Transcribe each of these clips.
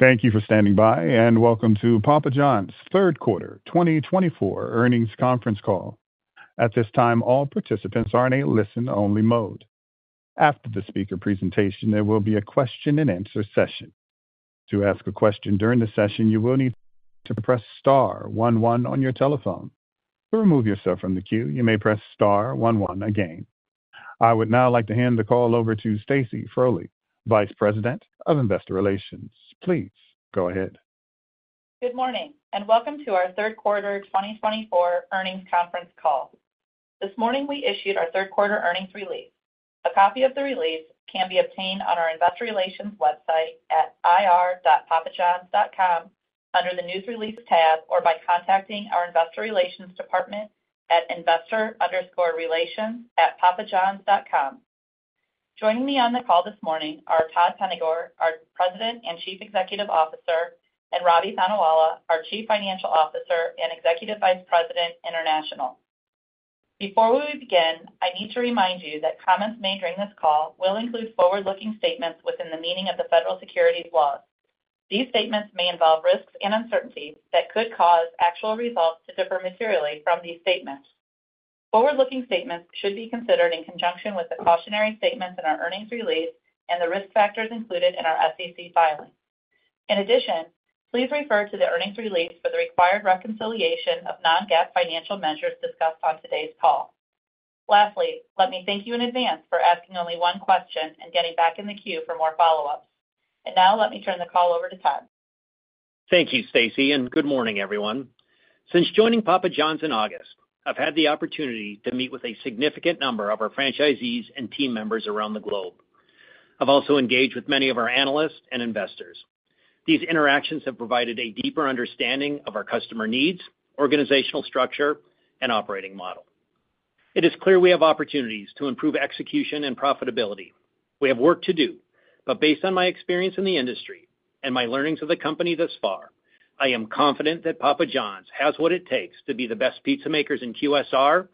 Thank you for standing by, and welcome to Papa John's Third Quarter 2024 Earnings Conference Call. At this time, all participants are in a listen-only mode. After the speaker presentation, there will be a question-and-answer session. To ask a question during the session, you will need to press Star 11 on your telephone. To remove yourself from the queue, you may press Star 11 again. I would now like to hand the call over to Stacy Frole, Vice President of Investor Relations. Please go ahead. Good morning, and welcome to our Third Quarter 2024 Earnings Conference Call. This morning, we issued our Third Quarter Earnings Release. A copy of the release can be obtained on our Investor Relations website at ir.papajohns.com under the News Releases tab or by contacting our Investor Relations Department at investor_relations@papajohns.com. Joining me on the call this morning are Todd Penegor, our President and Chief Executive Officer, and Ravi Thanawala, our Chief Financial Officer and Executive Vice President International. Before we begin, I need to remind you that comments made during this call will include forward-looking statements within the meaning of the federal securities laws. These statements may involve risks and uncertainties that could cause actual results to differ materially from these statements. Forward-looking statements should be considered in conjunction with the cautionary statements in our earnings release and the risk factors included in our SEC filing. In addition, please refer to the earnings release for the required reconciliation of non-GAAP financial measures discussed on today's call. Lastly, let me thank you in advance for asking only one question and getting back in the queue for more follow-ups. And now, let me turn the call over to Todd. Thank you, Stacy, and good morning, everyone. Since joining Papa John's in August, I've had the opportunity to meet with a significant number of our franchisees and team members around the globe. I've also engaged with many of our analysts and investors. These interactions have provided a deeper understanding of our customer needs, organizational structure, and operating model. It is clear we have opportunities to improve execution and profitability. We have work to do, but based on my experience in the industry and my learnings of the company thus far, I am confident that Papa John's has what it takes to be the best pizzamakers in QSR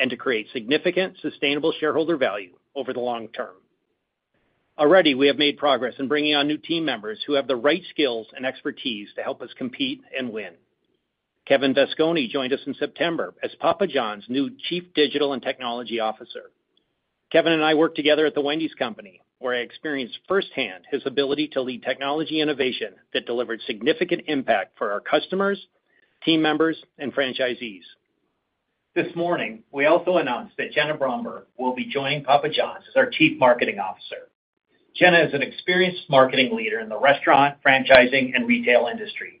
and to create significant sustainable shareholder value over the long term. Already, we have made progress in bringing on new team members who have the right skills and expertise to help us compete and win. Kevin Vasconi joined us in September as Papa John's new Chief Digital and Technology Officer. Kevin and I worked together at the Wendy's Company, where I experienced firsthand his ability to lead technology innovation that delivered significant impact for our customers, team members, and franchisees. This morning, we also announced that Jenna Bromberg will be joining Papa John's as our Chief Marketing Officer. Jenna is an experienced marketing leader in the restaurant, franchising, and retail industry.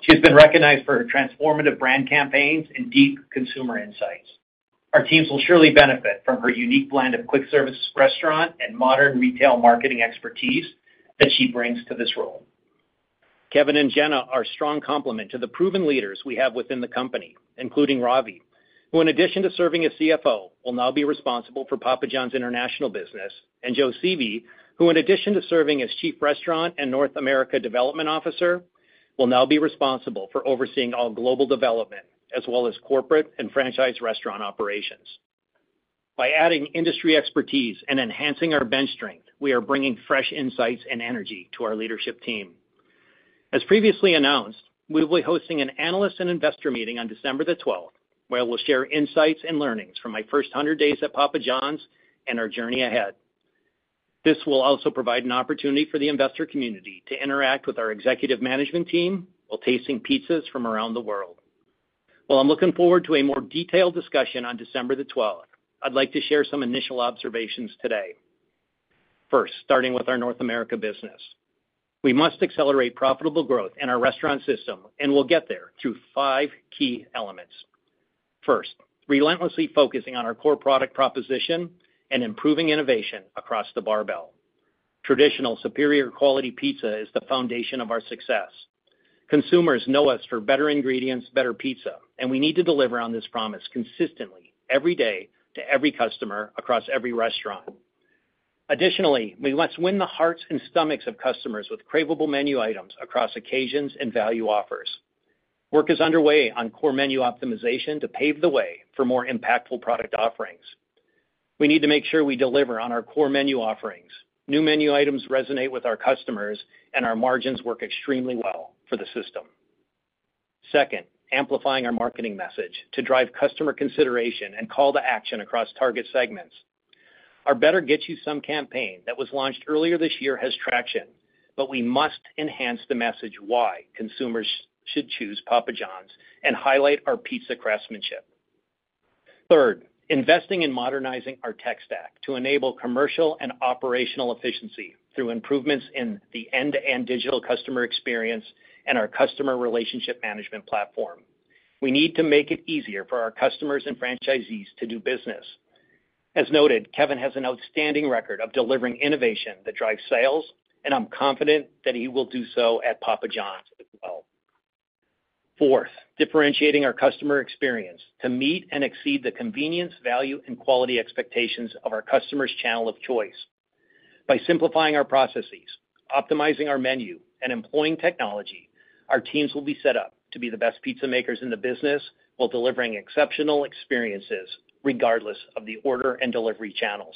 She has been recognized for her transformative brand campaigns and deep consumer insights. Our teams will surely benefit from her unique blend of quick-service restaurant and modern retail marketing expertise that she brings to this role. Kevin and Jenna are a strong complement to the proven leaders we have within the company, including Ravi, who, in addition to serving as CFO, will now be responsible for Papa John's International business, and Joe Sieve, who, in addition to serving as Chief Restaurant and North America Development Officer, will now be responsible for overseeing all global development as well as corporate and franchise restaurant operations. By adding industry expertise and enhancing our bench strength, we are bringing fresh insights and energy to our leadership team. As previously announced, we will be hosting an analyst and investor meeting on December the 12th, where we'll share insights and learnings from my first 100 days at Papa John's and our journey ahead. This will also provide an opportunity for the investor community to interact with our executive management team while tasting pizzas from around the world. While I'm looking forward to a more detailed discussion on December the 12th, I'd like to share some initial observations today. First, starting with our North America business, we must accelerate profitable growth in our restaurant system, and we'll get there through five key elements. First, relentlessly focusing on our core product proposition and improving innovation across the barbell. Traditional superior quality pizza is the foundation of our success. Consumers know us for better ingredients, better pizza, and we need to deliver on this promise consistently every day to every customer across every restaurant. Additionally, we must win the hearts and stomachs of customers with craveable menu items across occasions and value offers. Work is underway on core menu optimization to pave the way for more impactful product offerings. We need to make sure we deliver on our core menu offerings. New menu items resonate with our customers, and our margins work extremely well for the system. Second, amplifying our marketing message to drive customer consideration and call to action across target segments. Our Better Get You Some campaign that was launched earlier this year has traction, but we must enhance the message why consumers should choose Papa John's and highlight our pizza craftsmanship. Third, investing in modernizing our tech stack to enable commercial and operational efficiency through improvements in the end-to-end digital customer experience and our customer relationship management platform. We need to make it easier for our customers and franchisees to do business. As noted, Kevin has an outstanding record of delivering innovation that drives sales, and I'm confident that he will do so at Papa John's as well. Fourth, differentiating our customer experience to meet and exceed the convenience, value, and quality expectations of our customer's channel of choice. By simplifying our processes, optimizing our menu, and employing technology, our teams will be set up to be the best pizzamakers in the business while delivering exceptional experiences regardless of the order and delivery channels.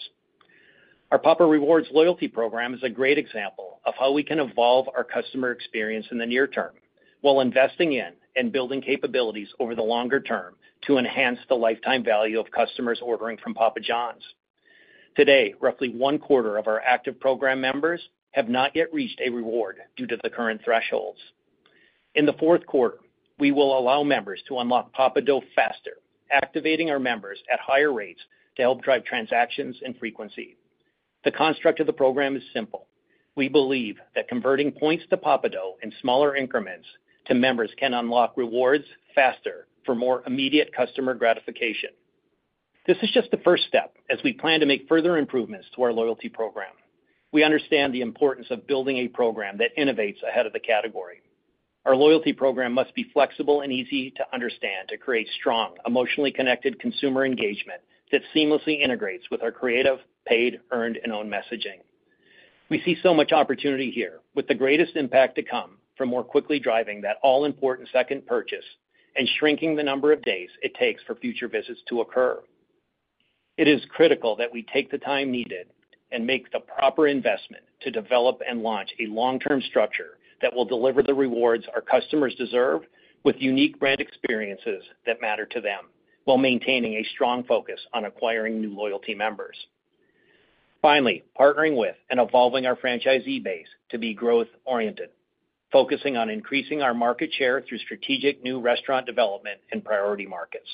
Our Papa Rewards loyalty program is a great example of how we can evolve our customer experience in the near term while investing in and building capabilities over the longer term to enhance the lifetime value of customers ordering from Papa John's. Today, roughly one quarter of our active program members have not yet reached a reward due to the current thresholds. In the fourth quarter, we will allow members to unlock Papa Dough faster, activating our members at higher rates to help drive transactions and frequency. The construct of the program is simple. We believe that converting points to Papa Dough in smaller increments to members can unlock rewards faster for more immediate customer gratification. This is just the first step as we plan to make further improvements to our loyalty program. We understand the importance of building a program that innovates ahead of the category. Our loyalty program must be flexible and easy to understand to create strong, emotionally connected consumer engagement that seamlessly integrates with our creative, paid, earned, and owned messaging. We see so much opportunity here with the greatest impact to come from more quickly driving that all-important second purchase and shrinking the number of days it takes for future visits to occur. It is critical that we take the time needed and make the proper investment to develop and launch a long-term structure that will deliver the rewards our customers deserve with unique brand experiences that matter to them while maintaining a strong focus on acquiring new loyalty members. Finally, partnering with and evolving our franchisee base to be growth-oriented, focusing on increasing our market share through strategic new restaurant development and priority markets.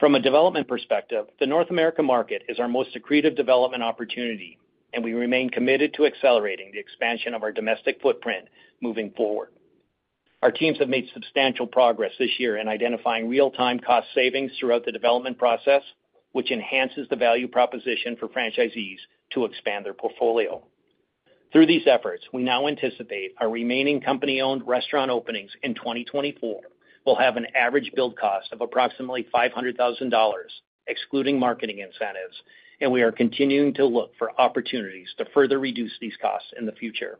From a development perspective, the North America market is our most significant development opportunity, and we remain committed to accelerating the expansion of our domestic footprint moving forward. Our teams have made substantial progress this year in identifying real-time cost savings throughout the development process, which enhances the value proposition for franchisees to expand their portfolio. Through these efforts, we now anticipate our remaining company-owned restaurant openings in 2024 will have an average build cost of approximately $500,000, excluding marketing incentives, and we are continuing to look for opportunities to further reduce these costs in the future.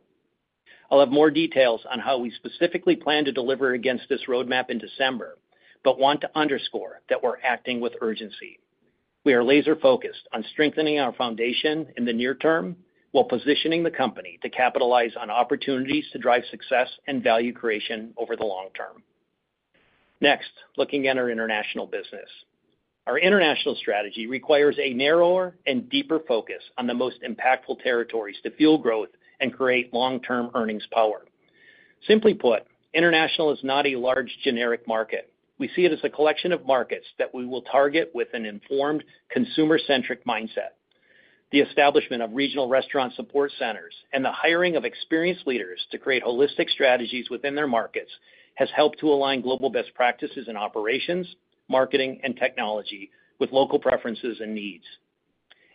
I'll have more details on how we specifically plan to deliver against this roadmap in December, but want to underscore that we're acting with urgency. We are laser-focused on strengthening our foundation in the near term while positioning the company to capitalize on opportunities to drive success and value creation over the long term. Next, looking at our international business, our international strategy requires a narrower and deeper focus on the most impactful territories to fuel growth and create long-term earnings power. Simply put, international is not a large generic market. We see it as a collection of markets that we will target with an informed, consumer-centric mindset. The establishment of regional restaurant support centers and the hiring of experienced leaders to create holistic strategies within their markets has helped to align global best practices in operations, marketing, and technology with local preferences and needs.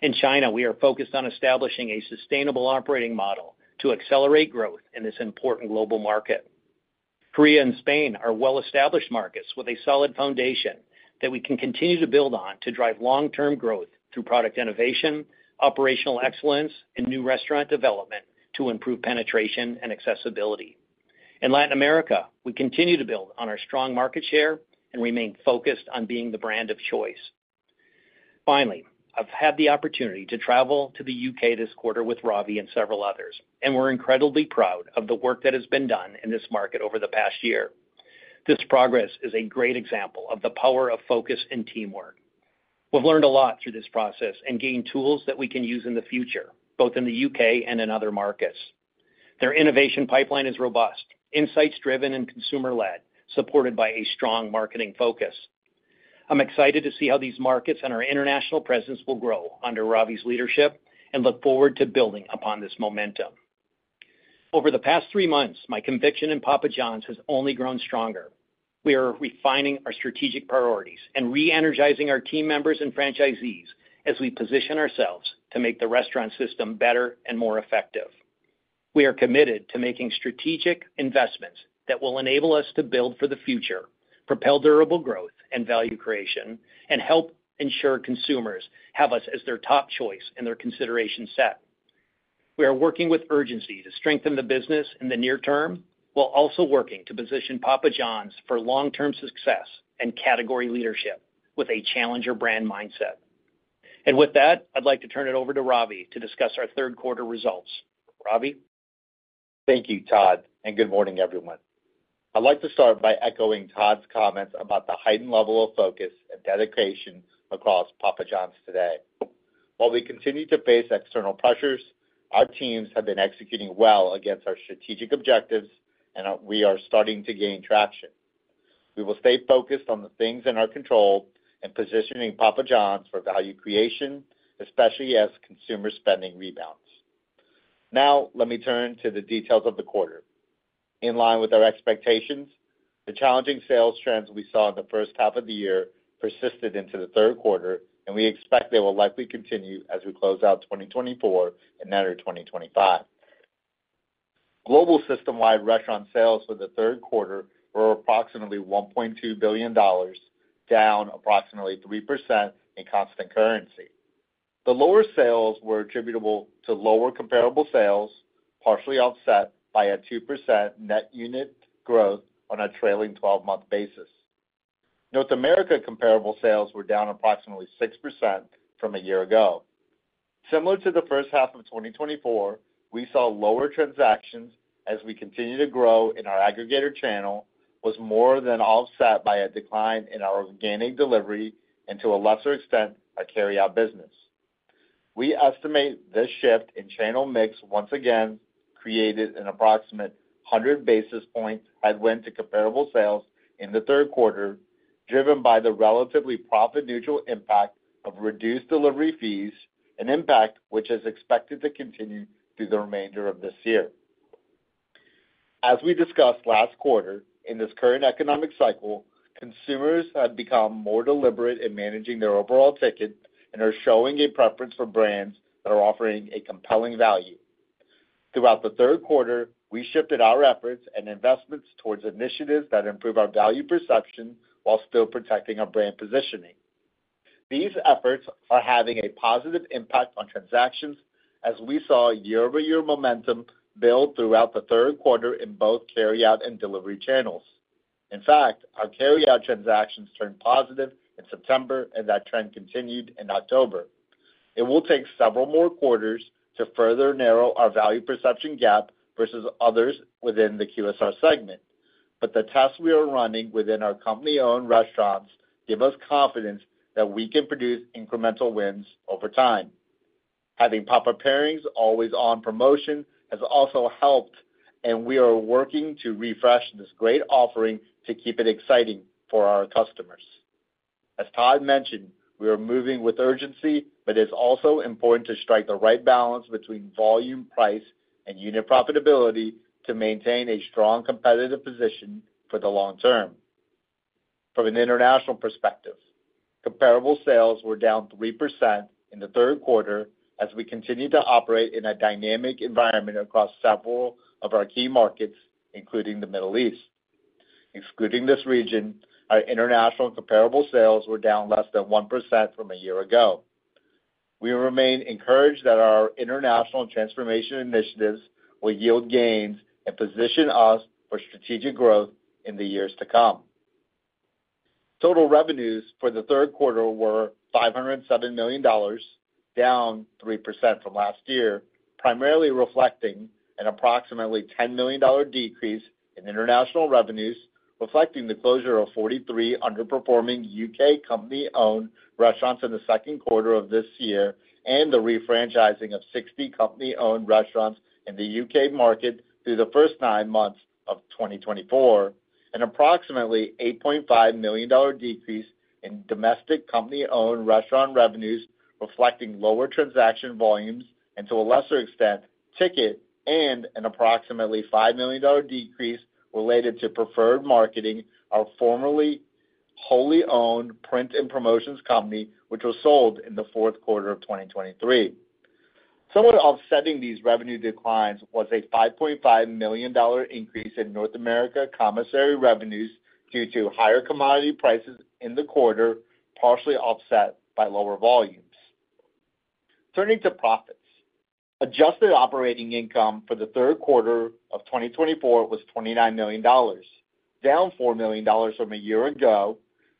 In China, we are focused on establishing a sustainable operating model to accelerate growth in this important global market. Korea and Spain are well-established markets with a solid foundation that we can continue to build on to drive long-term growth through product innovation, operational excellence, and new restaurant development to improve penetration and accessibility. In Latin America, we continue to build on our strong market share and remain focused on being the brand of choice. Finally, I've had the opportunity to travel to the U.K. this quarter with Ravi and several others, and we're incredibly proud of the work that has been done in this market over the past year. This progress is a great example of the power of focus and teamwork. We've learned a lot through this process and gained tools that we can use in the future, both in the U.K. and in other markets. Their innovation pipeline is robust, insights-driven, and consumer-led, supported by a strong marketing focus. I'm excited to see how these markets and our international presence will grow under Ravi's leadership and look forward to building upon this momentum. Over the past three months, my conviction in Papa John's has only grown stronger. We are refining our strategic priorities and re-energizing our team members and franchisees as we position ourselves to make the restaurant system better and more effective. We are committed to making strategic investments that will enable us to build for the future, propel durable growth and value creation, and help ensure consumers have us as their top choice in their consideration set. We are working with urgency to strengthen the business in the near term while also working to position Papa John's for long-term success and category leadership with a challenger brand mindset. And with that, I'd like to turn it over to Ravi to discuss our third quarter results. Ravi? Thank you, Todd, and good morning, everyone. I'd like to start by echoing Todd's comments about the heightened level of focus and dedication across Papa John's today. While we continue to face external pressures, our teams have been executing well against our strategic objectives, and we are starting to gain traction. We will stay focused on the things in our control and positioning Papa John's for value creation, especially as consumer spending rebounds. Now, let me turn to the details of the quarter. In line with our expectations, the challenging sales trends we saw in the first half of the year persisted into the third quarter, and we expect they will likely continue as we close out 2024 and enter 2025. Global system-wide restaurant sales for the third quarter were approximately $1.2 billion, down approximately 3% in constant currency. The lower sales were attributable to lower comparable sales, partially offset by a 2% net unit growth on a trailing 12-month basis. North America comparable sales were down approximately 6% from a year ago. Similar to the first half of 2024, we saw lower transactions as we continue to grow in our aggregator channel, which was more than offset by a decline in our organic delivery and, to a lesser extent, our carry-out business. We estimate this shift in channel mix once again created an approximate 100 basis points headwind to comparable sales in the third quarter, driven by the relatively profit-neutral impact of reduced delivery fees, an impact which is expected to continue through the remainder of this year. As we discussed last quarter, in this current economic cycle, consumers have become more deliberate in managing their overall ticket and are showing a preference for brands that are offering a compelling value. Throughout the third quarter, we shifted our efforts and investments towards initiatives that improve our value perception while still protecting our brand positioning. These efforts are having a positive impact on transactions as we saw year-over-year momentum build throughout the third quarter in both carry-out and delivery channels. In fact, our carry-out transactions turned positive in September, and that trend continued in October. It will take several more quarters to further narrow our value perception gap versus others within the QSR segment, but the tests we are running within our company-owned restaurants give us confidence that we can produce incremental wins over time. Having Papa Pairings always on promotion has also helped, and we are working to refresh this great offering to keep it exciting for our customers. As Todd mentioned, we are moving with urgency, but it is also important to strike the right balance between volume, price, and unit profitability to maintain a strong competitive position for the long term. From an international perspective, comparable sales were down 3% in the third quarter as we continue to operate in a dynamic environment across several of our key markets, including the Middle East. Excluding this region, our international comparable sales were down less than 1% from a year ago. We remain encouraged that our international transformation initiatives will yield gains and position us for strategic growth in the years to come. Total revenues for the third quarter were $507 million, down 3% from last year, primarily reflecting an approximately $10 million decrease in international revenues, reflecting the closure of 43 underperforming U.K. company-owned restaurants in the second quarter of this year and the refranchising of 60 company-owned restaurants in the U.K. market through the first nine months of 2024, an approximately $8.5 million decrease in domestic company-owned restaurant revenues, reflecting lower transaction volumes and, to a lesser extent, ticket and an approximately $5 million decrease related to Preferred Marketing of formerly wholly-owned print and promotions company, which was sold in the fourth quarter of 2023. Somewhat offsetting these revenue declines was a $5.5 million increase in North America commissary revenues due to higher commodity prices in the quarter, partially offset by lower volumes. Turning to profits, adjusted operating income for the third quarter of 2024 was $29 million, down $4 million from a year ago.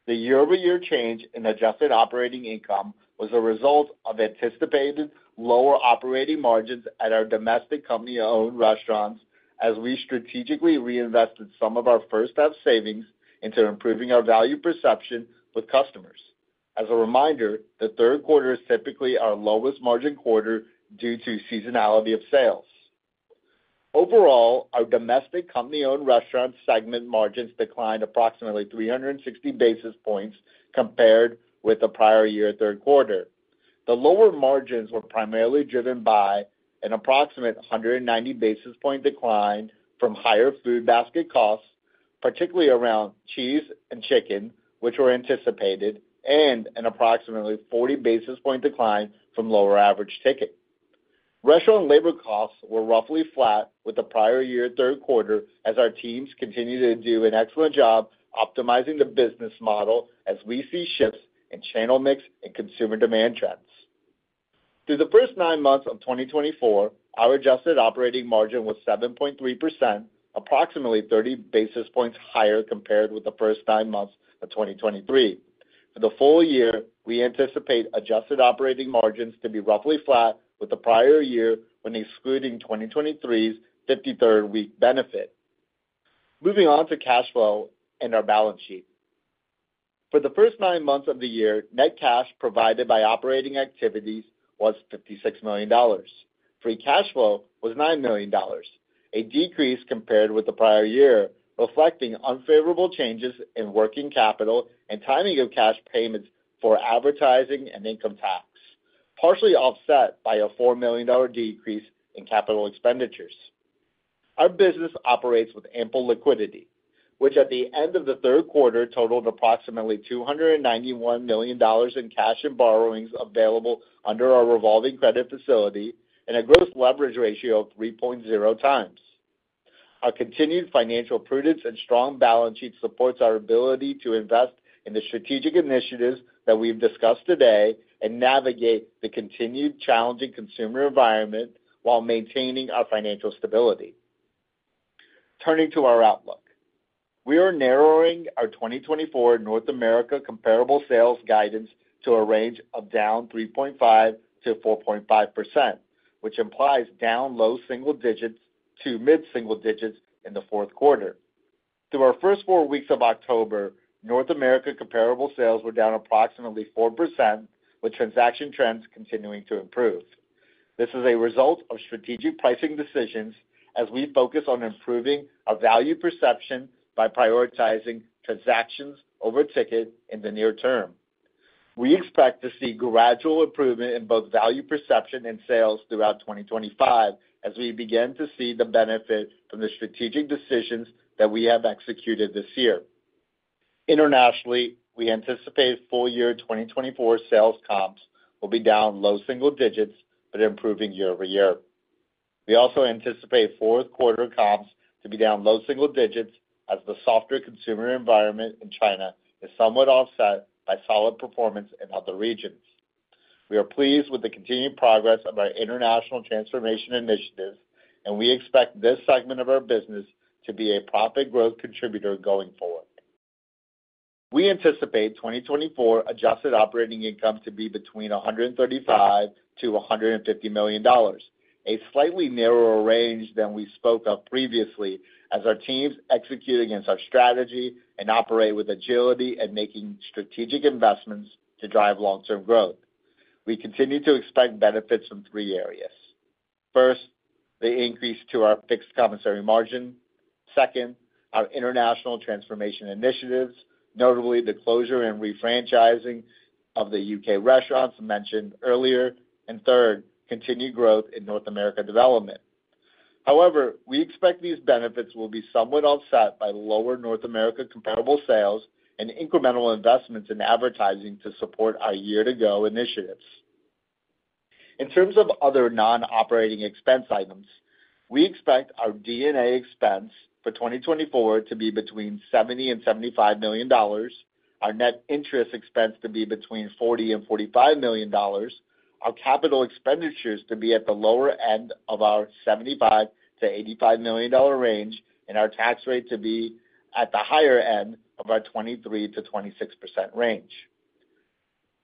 The year-over-year change in adjusted operating income was a result of anticipated lower operating margins at our domestic company-owned restaurants as we strategically reinvested some of our first-half savings into improving our value perception with customers. As a reminder, the third quarter is typically our lowest margin quarter due to seasonality of sales. Overall, our domestic company-owned restaurant segment margins declined approximately 360 basis points compared with the prior year third quarter. The lower margins were primarily driven by an approximate 190 basis point decline from higher food basket costs, particularly around cheese and chicken, which were anticipated, and an approximately 40 basis point decline from lower average ticket. Restaurant labor costs were roughly flat with the prior year third quarter as our teams continued to do an excellent job optimizing the business model as we see shifts in channel mix and consumer demand trends. Through the first nine months of 2024, our adjusted operating margin was 7.3%, approximately 30 basis points higher compared with the first nine months of 2023. For the full year, we anticipate adjusted operating margins to be roughly flat with the prior year when excluding 2023's 53rd week benefit. Moving on to cash flow and our balance sheet. For the first nine months of the year, net cash provided by operating activities was $56 million. Free cash flow was $9 million, a decrease compared with the prior year, reflecting unfavorable changes in working capital and timing of cash payments for advertising and income tax, partially offset by a $4 million decrease in capital expenditures. Our business operates with ample liquidity, which at the end of the third quarter totaled approximately $291 million in cash and borrowings available under our revolving credit facility and a gross leverage ratio of 3.0 times. Our continued financial prudence and strong balance sheet supports our ability to invest in the strategic initiatives that we've discussed today and navigate the continued challenging consumer environment while maintaining our financial stability. Turning to our outlook, we are narrowing our 2024 North America comparable sales guidance to a range of down 3.5% to 4.5%, which implies down low single digits to mid-single digits in the fourth quarter. Through our first four weeks of October, North America comparable sales were down approximately 4%, with transaction trends continuing to improve. This is a result of strategic pricing decisions as we focus on improving our value perception by prioritizing transactions over ticket in the near term. We expect to see gradual improvement in both value perception and sales throughout 2025 as we begin to see the benefit from the strategic decisions that we have executed this year. Internationally, we anticipate full year 2024 sales comps will be down low single digits but improving year over year. We also anticipate fourth quarter comps to be down low single digits as the softer consumer environment in China is somewhat offset by solid performance in other regions. We are pleased with the continued progress of our international transformation initiatives, and we expect this segment of our business to be a profit growth contributor going forward. We anticipate 2024 adjusted operating income to be between $135-$150 million, a slightly narrower range than we spoke of previously as our teams execute against our strategy and operate with agility and making strategic investments to drive long-term growth. We continue to expect benefits from three areas. First, the increase to our fixed commissary margin, second, our international transformation initiatives, notably the closure and refranchising of the U.K. restaurants mentioned earlier, and third, continued growth in North America development. However, we expect these benefits will be somewhat offset by lower North America comparable sales and incremental investments in advertising to support our year-to-go initiatives. In terms of other non-operating expense items, we expect our D&A expense for 2024 to be between $70-$75 million, our net interest expense to be between $40-$45 million, our capital expenditures to be at the lower end of our $75-$85 million range, and our tax rate to be at the higher end of our 23%-26% range.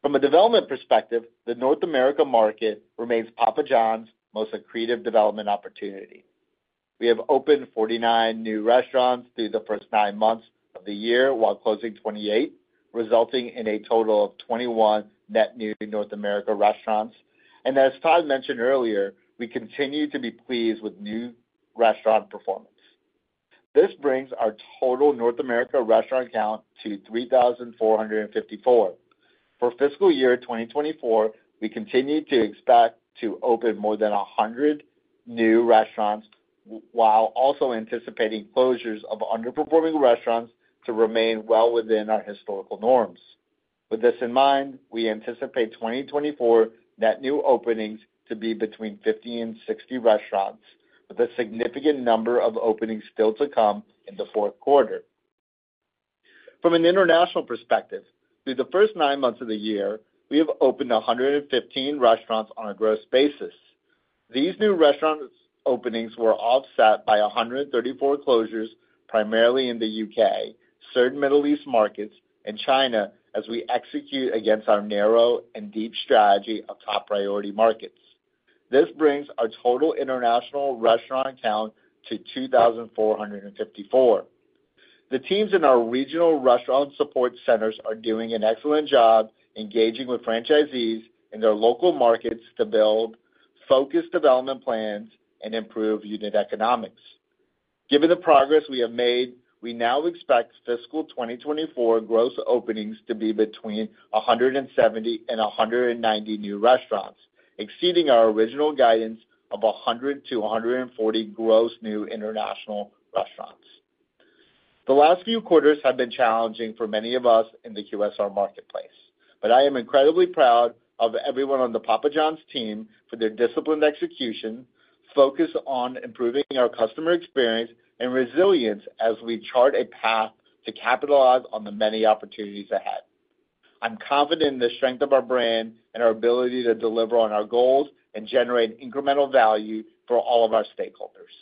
From a development perspective, the North America market remains Papa John's most accretive development opportunity. We have opened 49 new restaurants through the first nine months of the year while closing 28, resulting in a total of 21 net new North America restaurants, and as Todd mentioned earlier, we continue to be pleased with new restaurant performance. This brings our total North America restaurant count to 3,454. For fiscal year 2024, we continue to expect to open more than 100 new restaurants while also anticipating closures of underperforming restaurants to remain well within our historical norms. With this in mind, we anticipate 2024 net new openings to be between 50 and 60 restaurants, with a significant number of openings still to come in the fourth quarter. From an international perspective, through the first nine months of the year, we have opened 115 restaurants on a gross basis. These new restaurant openings were offset by 134 closures, primarily in the U.K., certain Middle East markets, and China as we execute against our narrow and deep strategy of top priority markets. This brings our total international restaurant count to 2,454. The teams in our regional restaurant support centers are doing an excellent job engaging with franchisees in their local markets to build focused development plans and improve unit economics. Given the progress we have made, we now expect fiscal 2024 gross openings to be between 170 and 190 new restaurants, exceeding our original guidance of 100 to 140 gross new international restaurants. The last few quarters have been challenging for many of us in the QSR marketplace, but I am incredibly proud of everyone on the Papa John's team for their disciplined execution, focus on improving our customer experience and resilience as we chart a path to capitalize on the many opportunities ahead. I'm confident in the strength of our brand and our ability to deliver on our goals and generate incremental value for all of our stakeholders.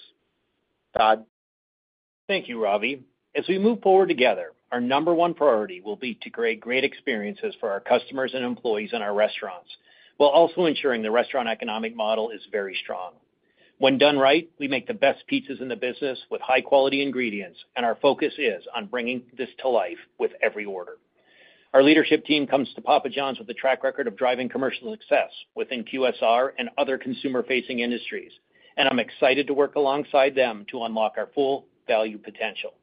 Thank you, Ravi. As we move forward together, our number one priority will be to create great experiences for our customers and employees in our restaurants, while also ensuring the restaurant economic model is very strong. When done right, we make the best pizzas in the business with high-quality ingredients, and our focus is on bringing this to life with every order. Our leadership team comes to Papa John's with a track record of driving commercial success within QSR and other consumer-facing industries, and I'm excited to work alongside them to unlock our full value potential.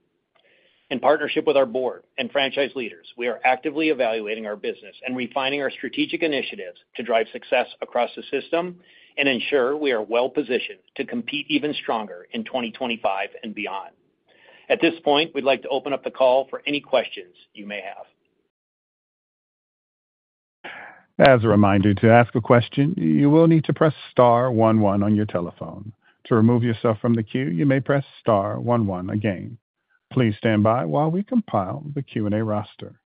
In partnership with our board and franchise leaders, we are actively evaluating our business and refining our strategic initiatives to drive success across the system and ensure we are well-positioned to compete even stronger in 2025 and beyond. At this point, we'd like to open up the call for any questions you may have. As a reminder, to ask a question, you will need to press star 11 on your telephone. To remove yourself from the queue, you may press star 11 again. Please stand by while we compile the Q&A roster.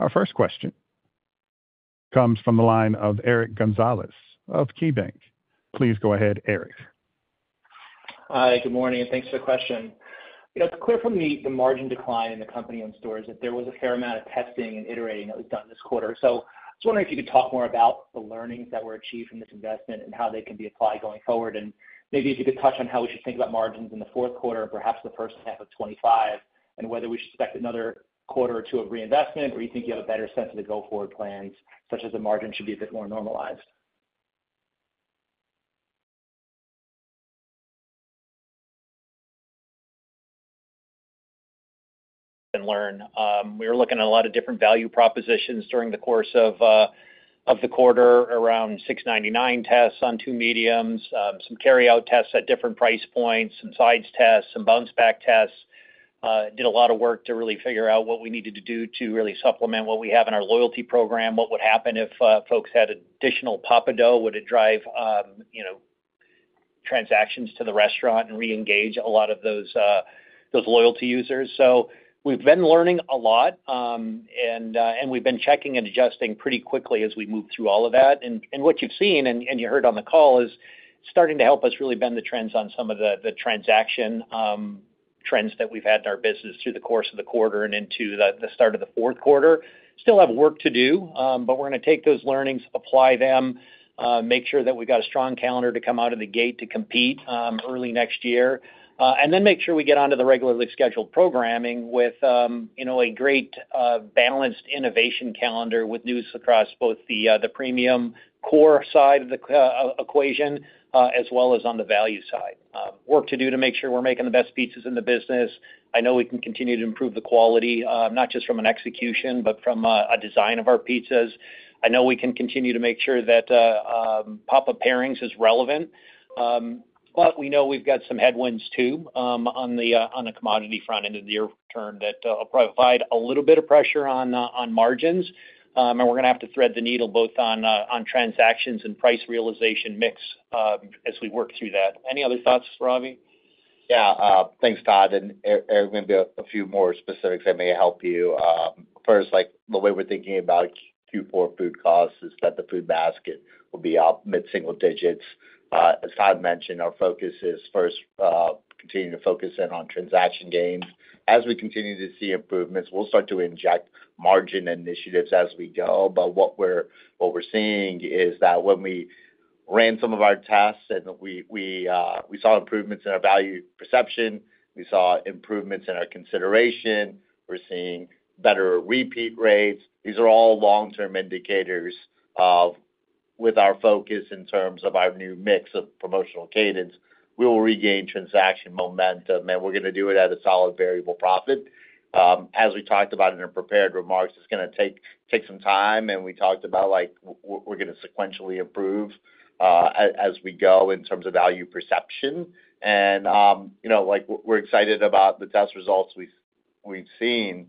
Our first question comes from the line of Eric Gonzalez of KeyBanc. Please go ahead Eric. Hi, good morning. Thanks for the question. You know, to clarify the margin decline in the company-owned stores, there was a fair amount of testing and iterating that was done this quarter. So I was wondering if you could talk more about the learnings that were achieved from this investment and how they can be applied going forward. And maybe if you could touch on how we should think about margins in the fourth quarter and perhaps the first half of 2025, and whether we should expect another quarter or two of reinvestment, or you think you have a better sense of the go forward plans, such as the margin should be a bit more normalized. We were looking at a lot of different value propositions during the course of the quarter, around $6.99 tests on two mediums, some carryout tests at different price points, some sides tests, some bounce-back tests. Did a lot of work to really figure out what we needed to do to really supplement what we have in our loyalty program, what would happen if folks had additional Papa Dough, would it drive transactions to the restaurant and re-engage a lot of those loyalty users, so we've been learning a lot, and we've been checking and adjusting pretty quickly as we move through all of that, and what you've seen and you heard on the call is starting to help us really bend the trends on some of the transaction trends that we've had in our business through the course of the quarter and into the start of the fourth quarter. Still have work to do, but we're going to take those learnings, apply them, make sure that we've got a strong calendar to come out of the gate to compete early next year, and then make sure we get onto the regularly scheduled programming with a great balanced innovation calendar with news across both the premium core side of the equation as well as on the value side. Work to do to make sure we're making the best pizzas in the business. I know we can continue to improve the quality, not just from an execution, but from a design of our pizzas. I know we can continue to make sure that Papa Pairings is relevant, but we know we've got some headwinds too on the commodity front end of the year return that will provide a little bit of pressure on margins. We're going to have to thread the needle both on transactions and price realization mix as we work through that. Any other thoughts, Ravi? Yeah, thanks, Todd. There are going to be a few more specifics that may help you. First, the way we're thinking about Q4 food costs is that the food basket will be up mid-single digits. As Todd mentioned, our focus is first continuing to focus in on transaction gains. As we continue to see improvements, we'll start to inject margin initiatives as we go. But what we're seeing is that when we ran some of our tests and we saw improvements in our value perception, we saw improvements in our consideration. We're seeing better repeat rates. These are all long-term indicators of, with our focus in terms of our new mix of promotional cadence, we will regain transaction momentum, and we're going to do it at a solid variable profit. As we talked about in our prepared remarks, it's going to take some time, and we talked about we're going to sequentially improve as we go in terms of value perception. We're excited about the test results we've seen.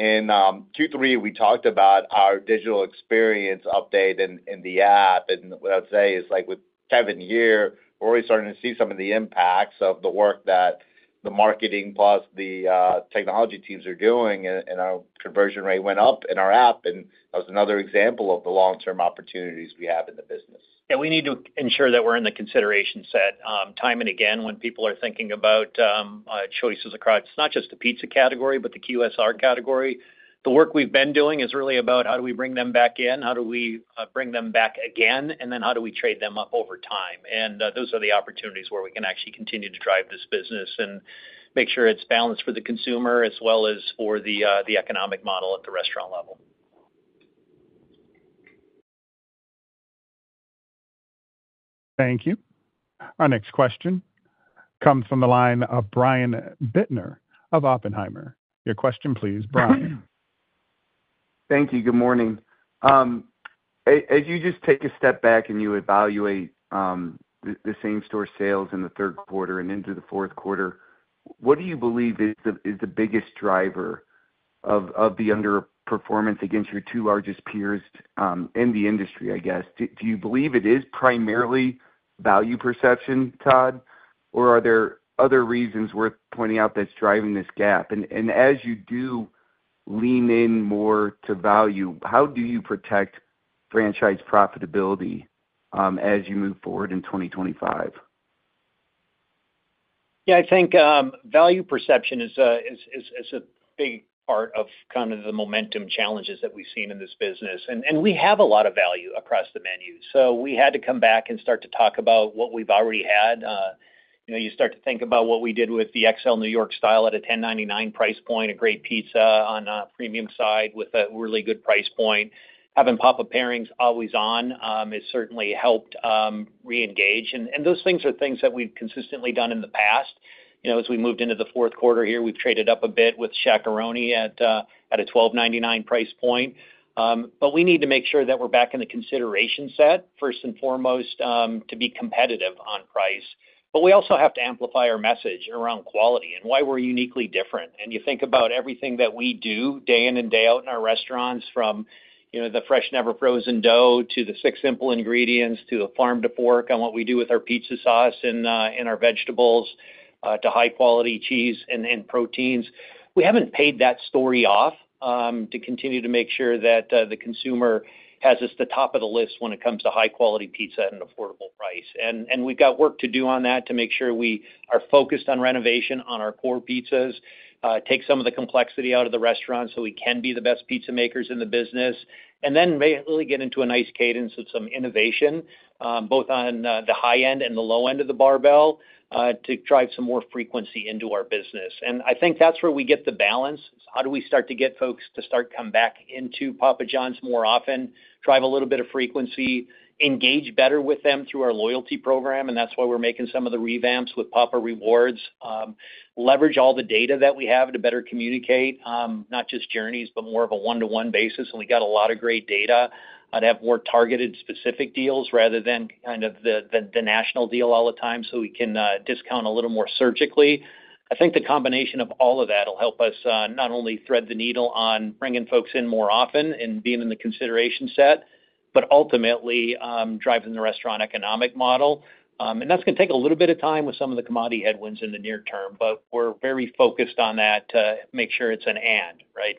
In Q3, we talked about our digital experience update in the app. What I would say is with Kevin here, we're already starting to see some of the impacts of the work that the marketing plus the technology teams are doing, and our conversion rate went up in our app. That was another example of the long-term opportunities we have in the business. Yeah, we need to ensure that we're in the consideration set. Time and again, when people are thinking about choices across, it's not just the pizza category, but the QSR category. The work we've been doing is really about how do we bring them back in, how do we bring them back again, and then how do we trade them up over time. And those are the opportunities where we can actually continue to drive this business and make sure it's balanced for the consumer as well as for the economic model at the restaurant level. Thank you. Our next question comes from the line of Brian Bittner of Oppenheimer. Your question, please, Brian. Thank you. Good morning. As you just take a step back and you evaluate the same store sales in the third quarter and into the fourth quarter, what do you believe is the biggest driver of the underperformance against your two largest peers in the industry, I guess? Do you believe it is primarily value perception, Todd, or are there other reasons worth pointing out that's driving this gap? And as you do lean in more to value, how do you protect franchise profitability as you move forward in 2025? Yeah, I think value perception is a big part of kind of the momentum challenges that we've seen in this business. And we have a lot of value across the menu. So we had to come back and start to talk about what we've already had. You start to think about what we did with the XL New York Style at a $10.99 price point, a great pizza on a premium side with a really good price point. Having Papa Pairings always on has certainly helped re-engage. And those things are things that we've consistently done in the past. As we moved into the fourth quarter here, we've traded up a bit with Shaq-a-Roni at a $12.99 price point. But we need to make sure that we're back in the consideration set, first and foremost, to be competitive on price. But we also have to amplify our message around quality and why we're uniquely different. And you think about everything that we do day in and day out in our restaurants, from the fresh, never frozen dough to the six simple ingredients to the farm to fork and what we do with our pizza sauce and our vegetables to high-quality cheese and proteins. We haven't paid that story off to continue to make sure that the consumer has us at the top of the list when it comes to high-quality pizza at an affordable price. And we've got work to do on that to make sure we are focused on renovation on our core pizzas, take some of the complexity out of the restaurant so we can be the best pizza makers in the business, and then really get into a nice cadence of some innovation, both on the high end and the low end of the barbell, to drive some more frequency into our business. And I think that's where we get the balance. It's how do we start to get folks to start coming back into Papa John's more often, drive a little bit of frequency, engage better with them through our loyalty program, and that's why we're making some of the revamps with Papa Rewards, leverage all the data that we have to better communicate, not just journeys, but more of a one-to-one basis. And we've got a lot of great data to have more targeted specific deals rather than kind of the national deal all the time so we can discount a little more surgically. I think the combination of all of that will help us not only thread the needle on bringing folks in more often and being in the consideration set, but ultimately driving the restaurant economic model. And that's going to take a little bit of time with some of the commodity headwinds in the near term, but we're very focused on that to make sure it's an and, right?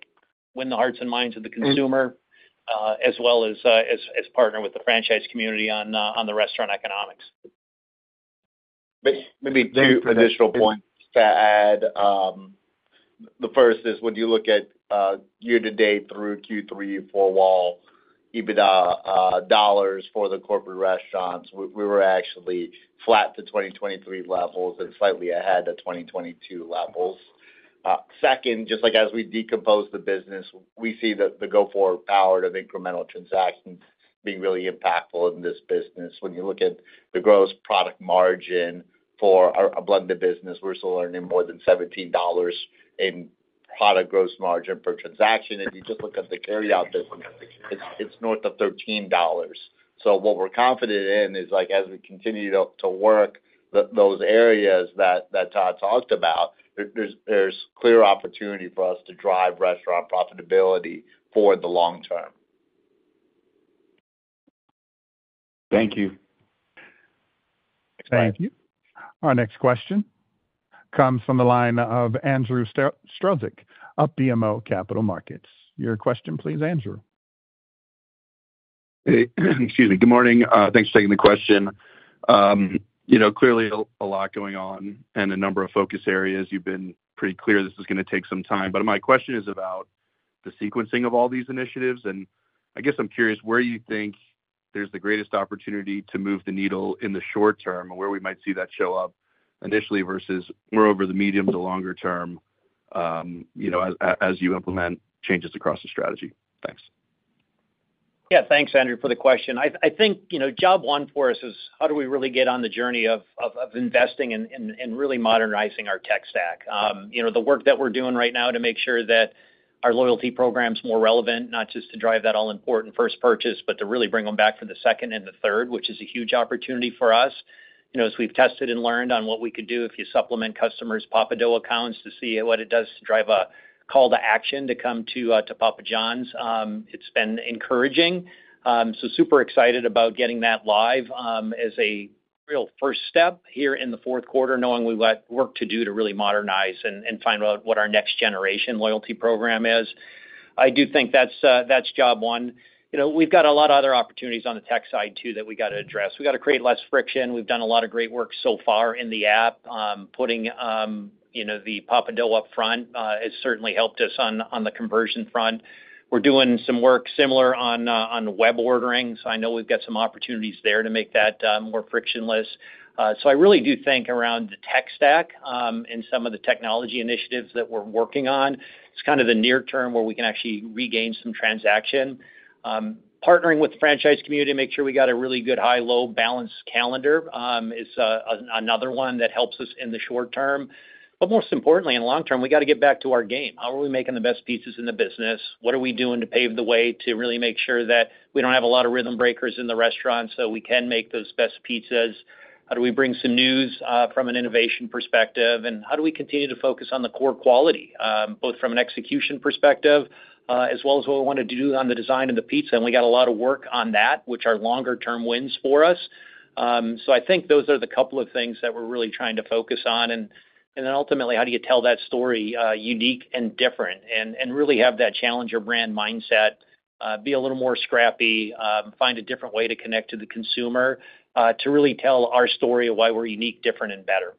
Win the hearts and minds of the consumer as well as partner with the franchise community on the restaurant economics. Maybe two additional points to add. The first is, when you look at year-to-date through Q3, Four-wall EBITDA dollars for the corporate restaurants, we were actually flat to 2023 levels and slightly ahead of 2022 levels. Second, just like as we decompose the business, we see the go-forward power of incremental transactions being really impactful in this business. When you look at the gross product margin for our blended business, we're still earning more than $17 in product gross margin per transaction. If you just look at the carryout business, it's north of $13. So what we're confident in is as we continue to work those areas that Todd talked about, there's clear opportunity for us to drive restaurant profitability for the long term. Thank you. Thank you. Our next question comes from the line of Andrew Strelzik of BMO Capital Markets. Your question, please, Andrew. Excuse me. Good morning. Thanks for taking the question. Clearly, a lot going on and a number of focus areas. You've been pretty clear this is going to take some time. But my question is about the sequencing of all these initiatives. And I guess I'm curious where you think there's the greatest opportunity to move the needle in the short term and where we might see that show up initially versus more over the medium to longer term as you implement changes across the strategy. Thanks. Yeah, thanks, Andrew, for the question. I think job one for us is how do we really get on the journey of investing and really modernizing our tech stack? The work that we're doing right now to make sure that our loyalty program's more relevant, not just to drive that all-important first purchase, but to really bring them back for the second and the third, which is a huge opportunity for us. As we've tested and learned on what we could do if you supplement customers' Papa Dough accounts to see what it does to drive a call to action to come to Papa John's, it's been encouraging. So super excited about getting that live as a real first step here in the fourth quarter, knowing we've got work to do to really modernize and find out what our next generation loyalty program is. I do think that's job one. We've got a lot of other opportunities on the tech side too that we got to address. We got to create less friction. We've done a lot of great work so far in the app. Putting the Papa Dough up front has certainly helped us on the conversion front. We're doing some work similar on web ordering. So I know we've got some opportunities there to make that more frictionless. So, I really do think around the tech stack and some of the technology initiatives that we're working on. It's kind of the near term where we can actually regain some transaction. Partnering with the franchise community to make sure we got a really good high-low balance calendar is another one that helps us in the short term. But most importantly, in the long term, we got to get back to our game. How are we making the best pizzas in the business? What are we doing to pave the way to really make sure that we don't have a lot of rhythm breakers in the restaurant so we can make those best pizzas? How do we bring some news from an innovation perspective? And how do we continue to focus on the core quality, both from an execution perspective as well as what we want to do on the design of the pizza? And we got a lot of work on that, which are longer-term wins for us. So I think those are the couple of things that we're really trying to focus on. And then ultimately, how do you tell that story unique and different and really have that challenge or brand mindset, be a little more scrappy, find a different way to connect to the consumer to really tell our story of why we're unique, different, and better?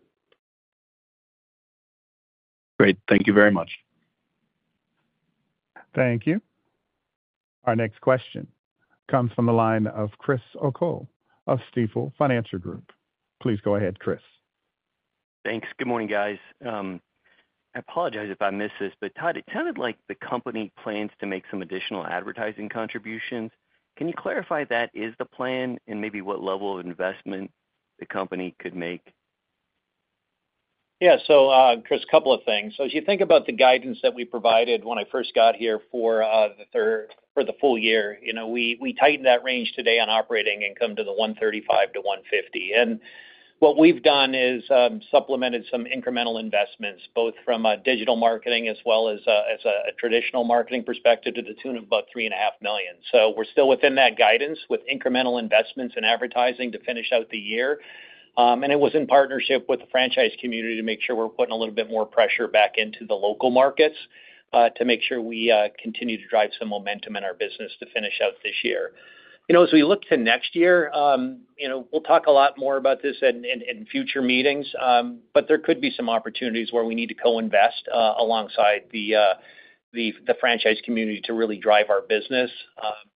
Great. Thank you very much. Thank you. Our next question comes from the line of Chris O'Cull of Stifel. Please go ahead, Chris. Thanks. Good morning, guys. I apologize if I missed this, but Todd, it sounded like the company plans to make some additional advertising contributions. Can you clarify that is the plan and maybe what level of investment the company could make? Yeah. So, Chris, a couple of things. So if you think about the guidance that we provided when I first got here for the full year, we tightened that range today on operating income to the $135-$150. And what we've done is supplemented some incremental investments, both from digital marketing as well as a traditional marketing perspective to the tune of about $3.5 million. So we're still within that guidance with incremental investments in advertising to finish out the year. And it was in partnership with the franchise community to make sure we're putting a little bit more pressure back into the local markets to make sure we continue to drive some momentum in our business to finish out this year. As we look to next year, we'll talk a lot more about this in future meetings, but there could be some opportunities where we need to co-invest alongside the franchise community to really drive our business.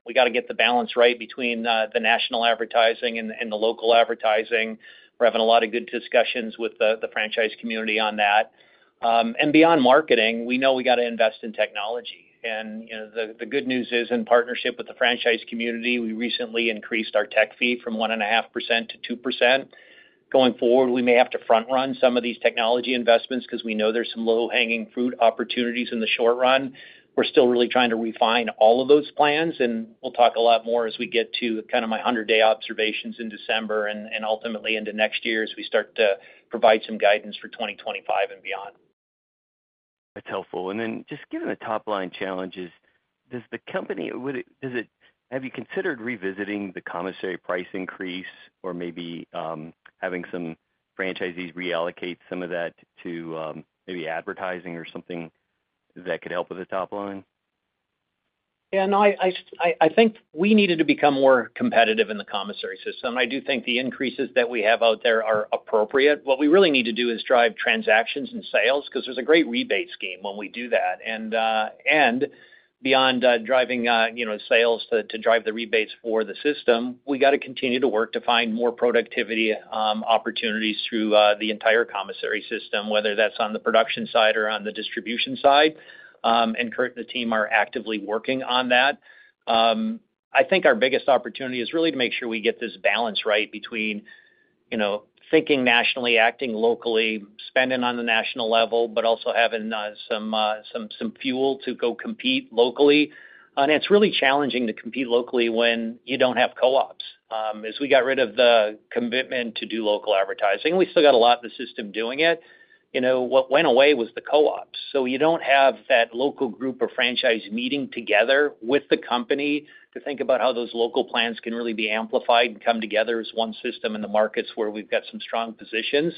We got to get the balance right between the national advertising and the local advertising. We're having a lot of good discussions with the franchise community on that. And beyond marketing, we know we got to invest in technology. And the good news is in partnership with the franchise community, we recently increased our tech fee from 1.5% to 2%. Going forward, we may have to front-run some of these technology investments because we know there's some low-hanging fruit opportunities in the short run. We're still really trying to refine all of those plans, and we'll talk a lot more as we get to kind of my 100-day observations in December and ultimately into next year as we start to provide some guidance for 2025 and beyond. That's helpful. And then just given the top-line challenges, has the company considered revisiting the commissary price increase or maybe having some franchisees reallocate some of that to maybe advertising or something that could help with the top line? Yeah. No, I think we needed to become more competitive in the commissary system. And I do think the increases that we have out there are appropriate. What we really need to do is drive transactions and sales because there's a great rebate scheme when we do that, and beyond driving sales to drive the rebates for the system, we got to continue to work to find more productivity opportunities through the entire commissary system, whether that's on the production side or on the distribution side. And Kurt and the team are actively working on that. I think our biggest opportunity is really to make sure we get this balance right between thinking nationally, acting locally, spending on the national level, but also having some fuel to go compete locally, and it's really challenging to compete locally when you don't have co-ops. As we got rid of the commitment to do local advertising, we still got a lot of the system doing it. What went away was the co-ops. So you don't have that local group of franchisees meeting together with the company to think about how those local plans can really be amplified and come together as one system in the markets where we've got some strong positions.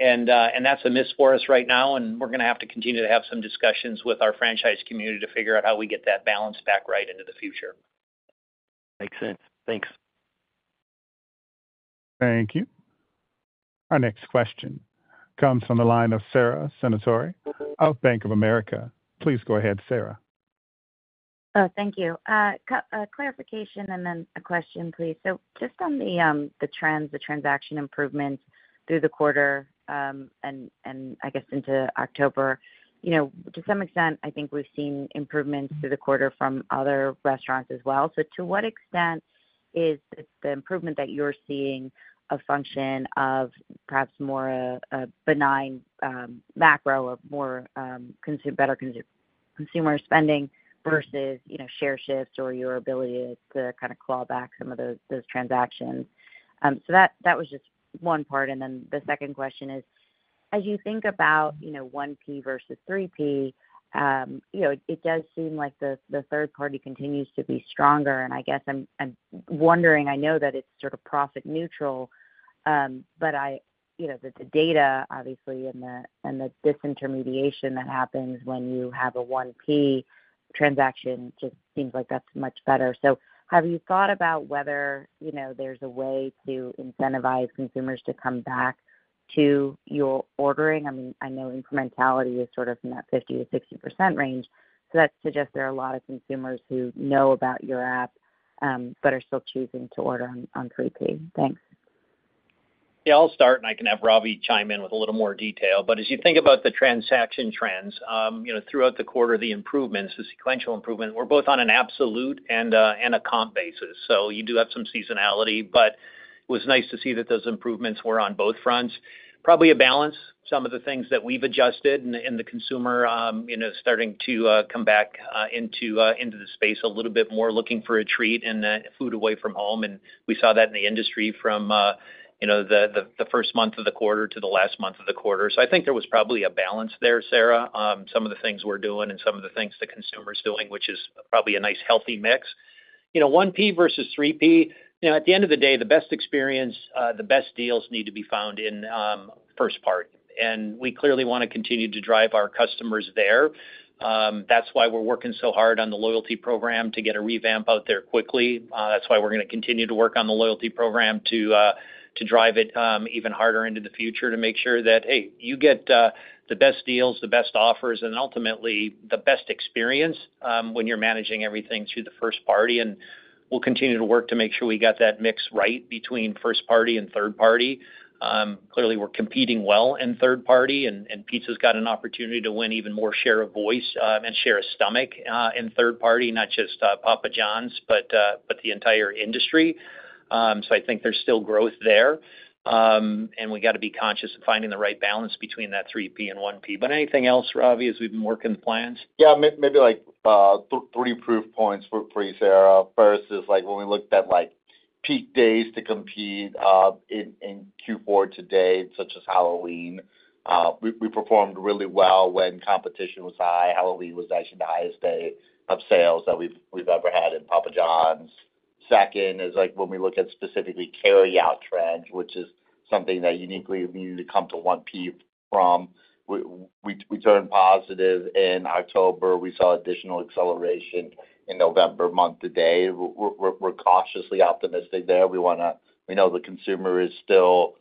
And that's a miss for us right now, and we're going to have to continue to have some discussions with our franchise community to figure out how we get that balance back right into the future. Makes sense. Thanks. Thank you. Our next question comes from the line of Sara Senatore of Bank of America. Please go ahead, Sarah. Thank you. Clarification and then a question, please. So just on the trends, the transaction improvements through the quarter and I guess into October, to some extent, I think we've seen improvements through the quarter from other restaurants as well. So to what extent is the improvement that you're seeing a function of perhaps more of a benign macro or more better consumer spending versus share shifts or your ability to kind of claw back some of those transactions? So that was just one part. And then the second question is, as you think about 1P versus 3P, it does seem like the third party continues to be stronger. And I guess I'm wondering, I know that it's sort of profit neutral, but the data, obviously, and the disintermediation that happens when you have a 1P transaction just seems like that's much better. So have you thought about whether there's a way to incentivize consumers to come back to your ordering? I mean, I know incrementality is sort of in that 50%-60% range. So that suggests there are a lot of consumers who know about your app but are still choosing to order on 3P. Thanks. Yeah. I'll start, and I can have Ravi chime in with a little more detail. But as you think about the transaction trends throughout the quarter, the improvements, the sequential improvement we're both on an absolute and a comp basis. So you do have some seasonality, but it was nice to see that those improvements were on both fronts. Probably a balance. Some of the things that we've adjusted and the consumer starting to come back into the space a little bit more looking for a treat and food away from home. And we saw that in the industry from the first month of the quarter to the last month of the quarter. I think there was probably a balance there, Sara, some of the things we're doing and some of the things the consumer's doing, which is probably a nice healthy mix. 1P versus 3P, at the end of the day, the best experience, the best deals need to be found in first party. And we clearly want to continue to drive our customers there. That's why we're working so hard on the loyalty program to get a revamp out there quickly. That's why we're going to continue to work on the loyalty program to drive it even harder into the future to make sure that, hey, you get the best deals, the best offers, and ultimately the best experience when you're managing everything through the first party. And we'll continue to work to make sure we got that mix right between first party and third party. Clearly, we're competing well in third party, and pizza's got an opportunity to win even more share of voice and share of stomach in third party, not just Papa John's, but the entire industry. So I think there's still growth there. We got to be conscious of finding the right balance between that 3P and 1P. But anything else, Ravi, as we've been working the plans? Yeah. Maybe three proof points for you, Sara. First is when we looked at peak days to compete in Q4 today, such as Halloween. We performed really well when competition was high. Halloween was actually the highest day of sales that we've ever had in Papa John's. Second is when we look at specifically carry-out trends, which is something that uniquely needed to come to 1P from. We turned positive in October. We saw additional acceleration in November month-to-date. We're cautiously optimistic there. We know the consumer is still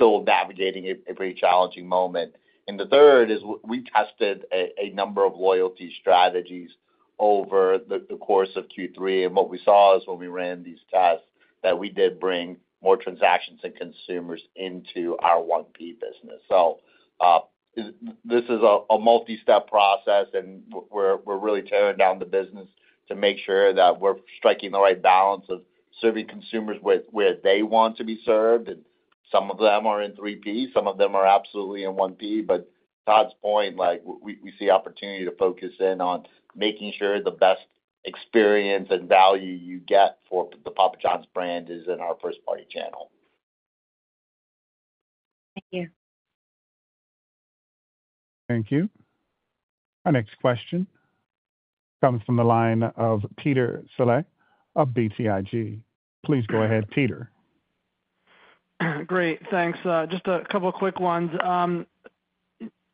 navigating a pretty challenging moment, and the third is we tested a number of loyalty strategies over the course of Q3. And what we saw is when we ran these tests that we did bring more transactions and consumers into our 1P business, so this is a multi-step process, and we're really tearing down the business to make sure that we're striking the right balance of serving consumers where they want to be served. And some of them are in 3P. Some of them are absolutely in 1P, but Todd's point, we see opportunity to focus in on making sure the best experience and value you get for the Papa John's brand is in our first-party channel. Thank you. Thank you. Our next question comes from the line of Peter Saleh of BTIG. Please go ahead, Peter. Great. Thanks. Just a couple of quick ones.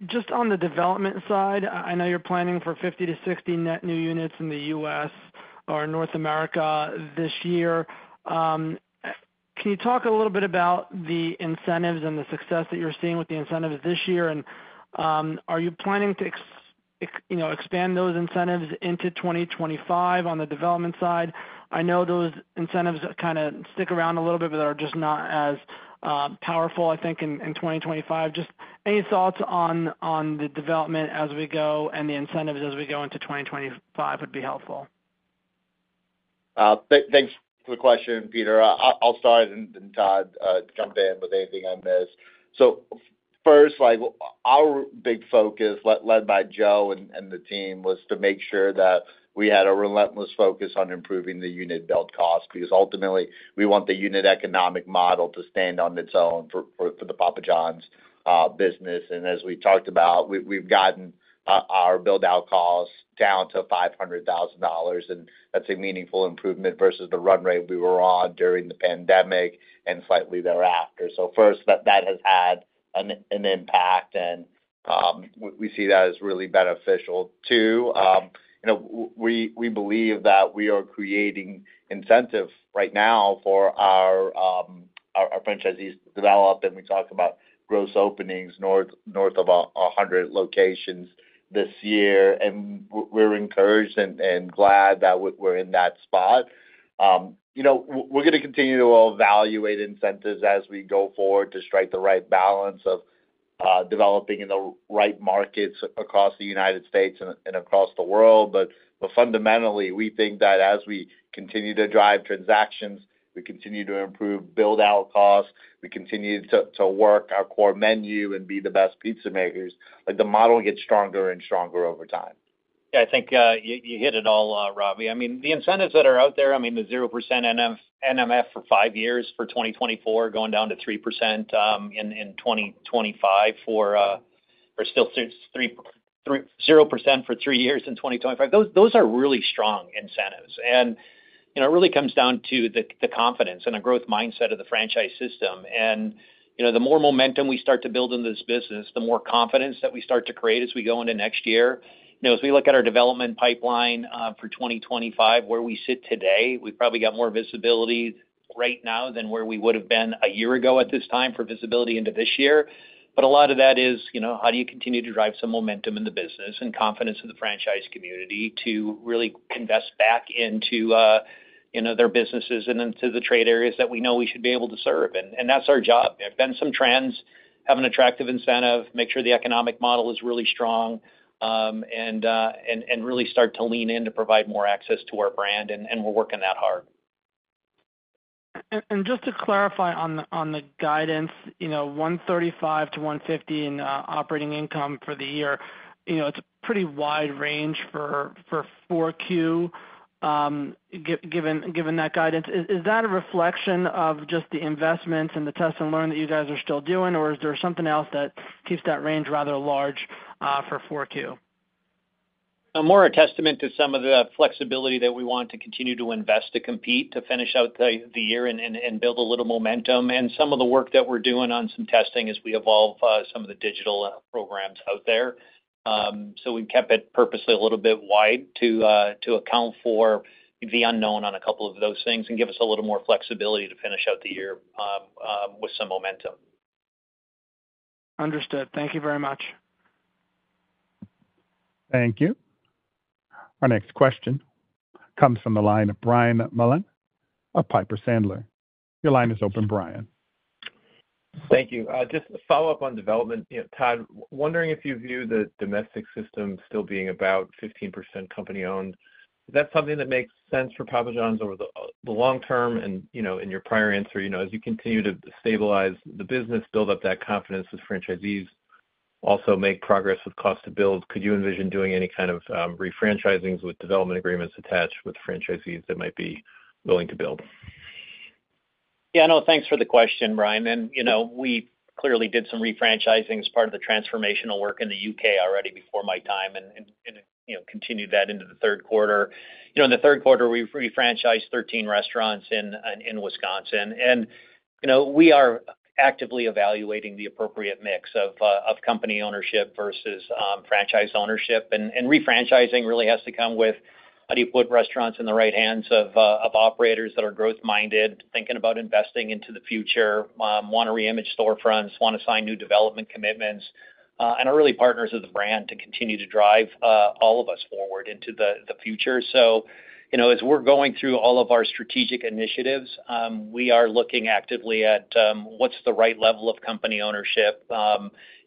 Just on the development side, I know you're planning for 50-60 net new units in the US or North America this year. Can you talk a little bit about the incentives and the success that you're seeing with the incentives this year? And are you planning to expand those incentives into 2025 on the development side? I know those incentives kind of stick around a little bit, but they're just not as powerful, I think, in 2025. Just any thoughts on the development as we go and the incentives as we go into 2025 would be helpful. Thanks for the question, Peter. I'll start, and Todd, jump in with anything I miss. So first, our big focus, led by Joe and the team, was to make sure that we had a relentless focus on improving the unit build cost because ultimately, we want the unit economic model to stand on its own for the Papa John's business. And as we talked about, we've gotten our build-out costs down to $500,000. And that's a meaningful improvement versus the run rate we were on during the pandemic and slightly thereafter. So first, that has had an impact, and we see that as really beneficial too. We believe that we are creating incentives right now for our franchisees to develop. And we talk about gross openings north of 100 locations this year. And we're encouraged and glad that we're in that spot. We're going to continue to evaluate incentives as we go forward to strike the right balance of developing in the right markets across the United States and across the world, but fundamentally, we think that as we continue to drive transactions, we continue to improve build-out costs, we continue to work our core menu and be the best pizza makers, the model gets stronger and stronger over time. Yeah. I think you hit it all, Ravi. I mean, the incentives that are out there, I mean, the 0% NMF for five years for 2024, going down to 3% in 2025, or still 0% for three years in 2025, those are really strong incentives, and it really comes down to the confidence and the growth mindset of the franchise system. And the more momentum we start to build in this business, the more confidence that we start to create as we go into next year. As we look at our development pipeline for 2025, where we sit today, we've probably got more visibility right now than where we would have been a year ago at this time for visibility into this year. But a lot of that is how do you continue to drive some momentum in the business and confidence in the franchise community to really invest back into their businesses and into the trade areas that we know we should be able to serve. And that's our job. There have been some trends. Have an attractive incentive, make sure the economic model is really strong, and really start to lean in to provide more access to our brand. And we're working that hard. Just to clarify on the guidance, 135-150 in operating income for the year, it's a pretty wide range for 4Q, given that guidance. Is that a reflection of just the investments and the test and learn that you guys are still doing, or is there something else that keeps that range rather large for 4Q? More a testament to some of the flexibility that we want to continue to invest to compete, to finish out the year and build a little momentum, and some of the work that we're doing on some testing as we evolve some of the digital programs out there. So we've kept it purposely a little bit wide to account for the unknown on a couple of those things and give us a little more flexibility to finish out the year with some momentum. Understood. Thank you very much. Thank you. Our next question comes from the line of Brian Mullan of Piper Sandler. Your line is open, Brian. Thank you. Just a follow-up on development. Todd, wondering if you view the domestic system still being about 15% company-owned. Is that something that makes sense for Papa John's over the long term? And in your prior answer, as you continue to stabilize the business, build up that confidence with franchisees, also make progress with cost to build, could you envision doing any kind of refranchisings with development agreements attached with franchisees that might be willing to build? Yeah. No, thanks for the question, Brian. And we clearly did some refranchising as part of the transformational work in the UK already before my time and continued that into the third quarter. In the third quarter, we refranchised 13 restaurants in Wisconsin. And we are actively evaluating the appropriate mix of company ownership versus franchise ownership. And refranchising really has to come with how do you put restaurants in the right hands of operators that are growth-minded, thinking about investing into the future, want to reimage storefronts, want to sign new development commitments, and are really partners of the brand to continue to drive all of us forward into the future. So as we're going through all of our strategic initiatives, we are looking actively at what's the right level of company ownership,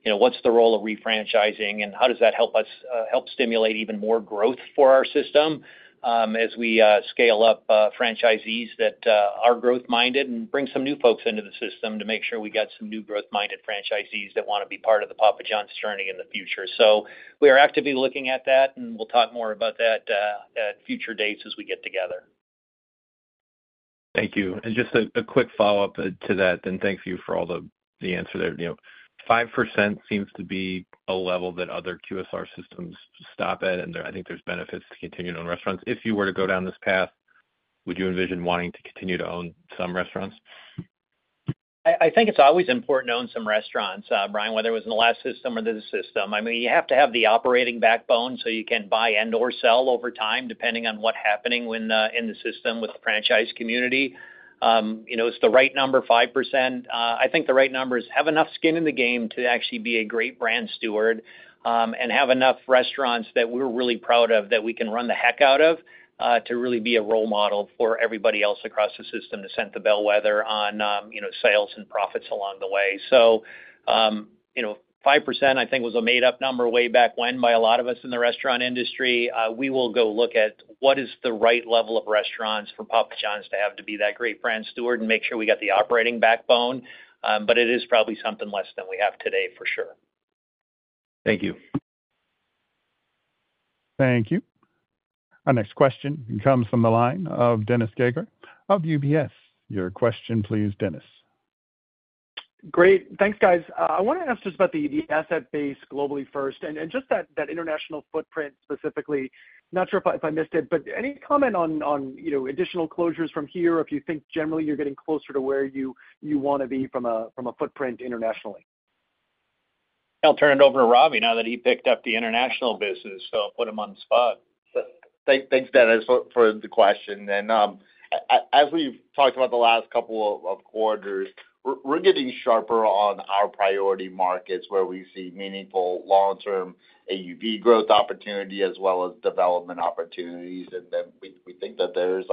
what's the role of refranchising, and how does that help us help stimulate even more growth for our system as we scale up franchisees that are growth-minded and bring some new folks into the system to make sure we get some new growth-minded franchisees that want to be part of the Papa John's journey in the future. So we are actively looking at that, and we'll talk more about that at future dates as we get together. Thank you. And just a quick follow-up to that, and thank you for all the answer there. 5% seems to be a level that other QSR systems stop at, and I think there's benefits to continuing to own restaurants. If you were to go down this path, would you envision wanting to continue to own some restaurants? I think it's always important to own some restaurants, Brian, whether it was in the last system or this system. I mean, you have to have the operating backbone so you can buy and/or sell over time, depending on what's happening in the system with the franchise community. It's the right number, 5%. I think the right numbers have enough skin in the game to actually be a great brand steward and have enough restaurants that we're really proud of that we can run the heck out of to really be a role model for everybody else across the system to set the on sales and profits along the way, so 5%, I think, was a made-up number way back when by a lot of us in the restaurant industry. We will go look at what is the right level of restaurants for Papa John's to have to be that great brand steward and make sure we got the operating backbone, but it is probably something less than we have today, for sure. Thank you. Thank you. Our next question comes from the line of Dennis Geiger of UBS. Your question, please, Dennis. Great. Thanks, guys. I want to ask just about the business base globally first and just that international footprint specifically. Not sure if I missed it, but any comment on additional closures from here if you think generally you're getting closer to where you want to be from a footprint internationally? I'll turn it over to Ravi now that he picked up the international business, so I'll put him on the spot. Thanks, Dennis, for the question. And as we've talked about the last couple of quarters, we're getting sharper on our priority markets where we see meaningful long-term AUV growth opportunity as well as development opportunities. And then we think that there's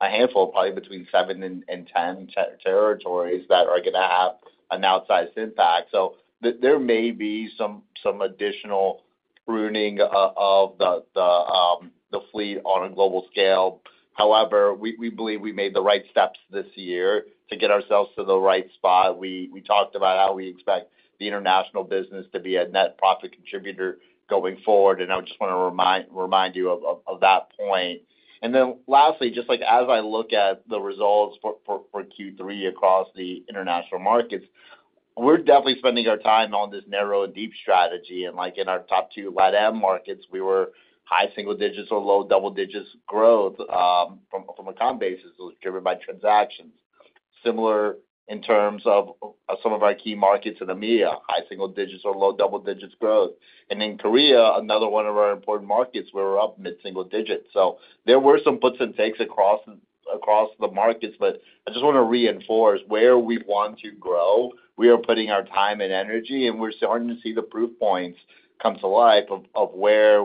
a handful, probably between seven and 10 territories that are going to have an outsized impact. So there may be some additional pruning of the fleet on a global scale. However, we believe we made the right steps this year to get ourselves to the right spot. We talked about how we expect the international business to be a net profit contributor going forward. And I just want to remind you of that point. And then lastly, just as I look at the results for Q3 across the international markets, we're definitely spending our time on this narrow and deep strategy. And in our top two LTM markets, we were high single digits or low double digits growth from a comp basis that was driven by transactions. Similar in terms of some of our key markets in EMEA, high single digits or low double digits growth. And in Korea, another one of our important markets where we're up mid-single digits. So there were some puts and takes across the markets. But I just want to reinforce where we want to grow. We are putting our time and energy, and we're starting to see the proof points come to life of where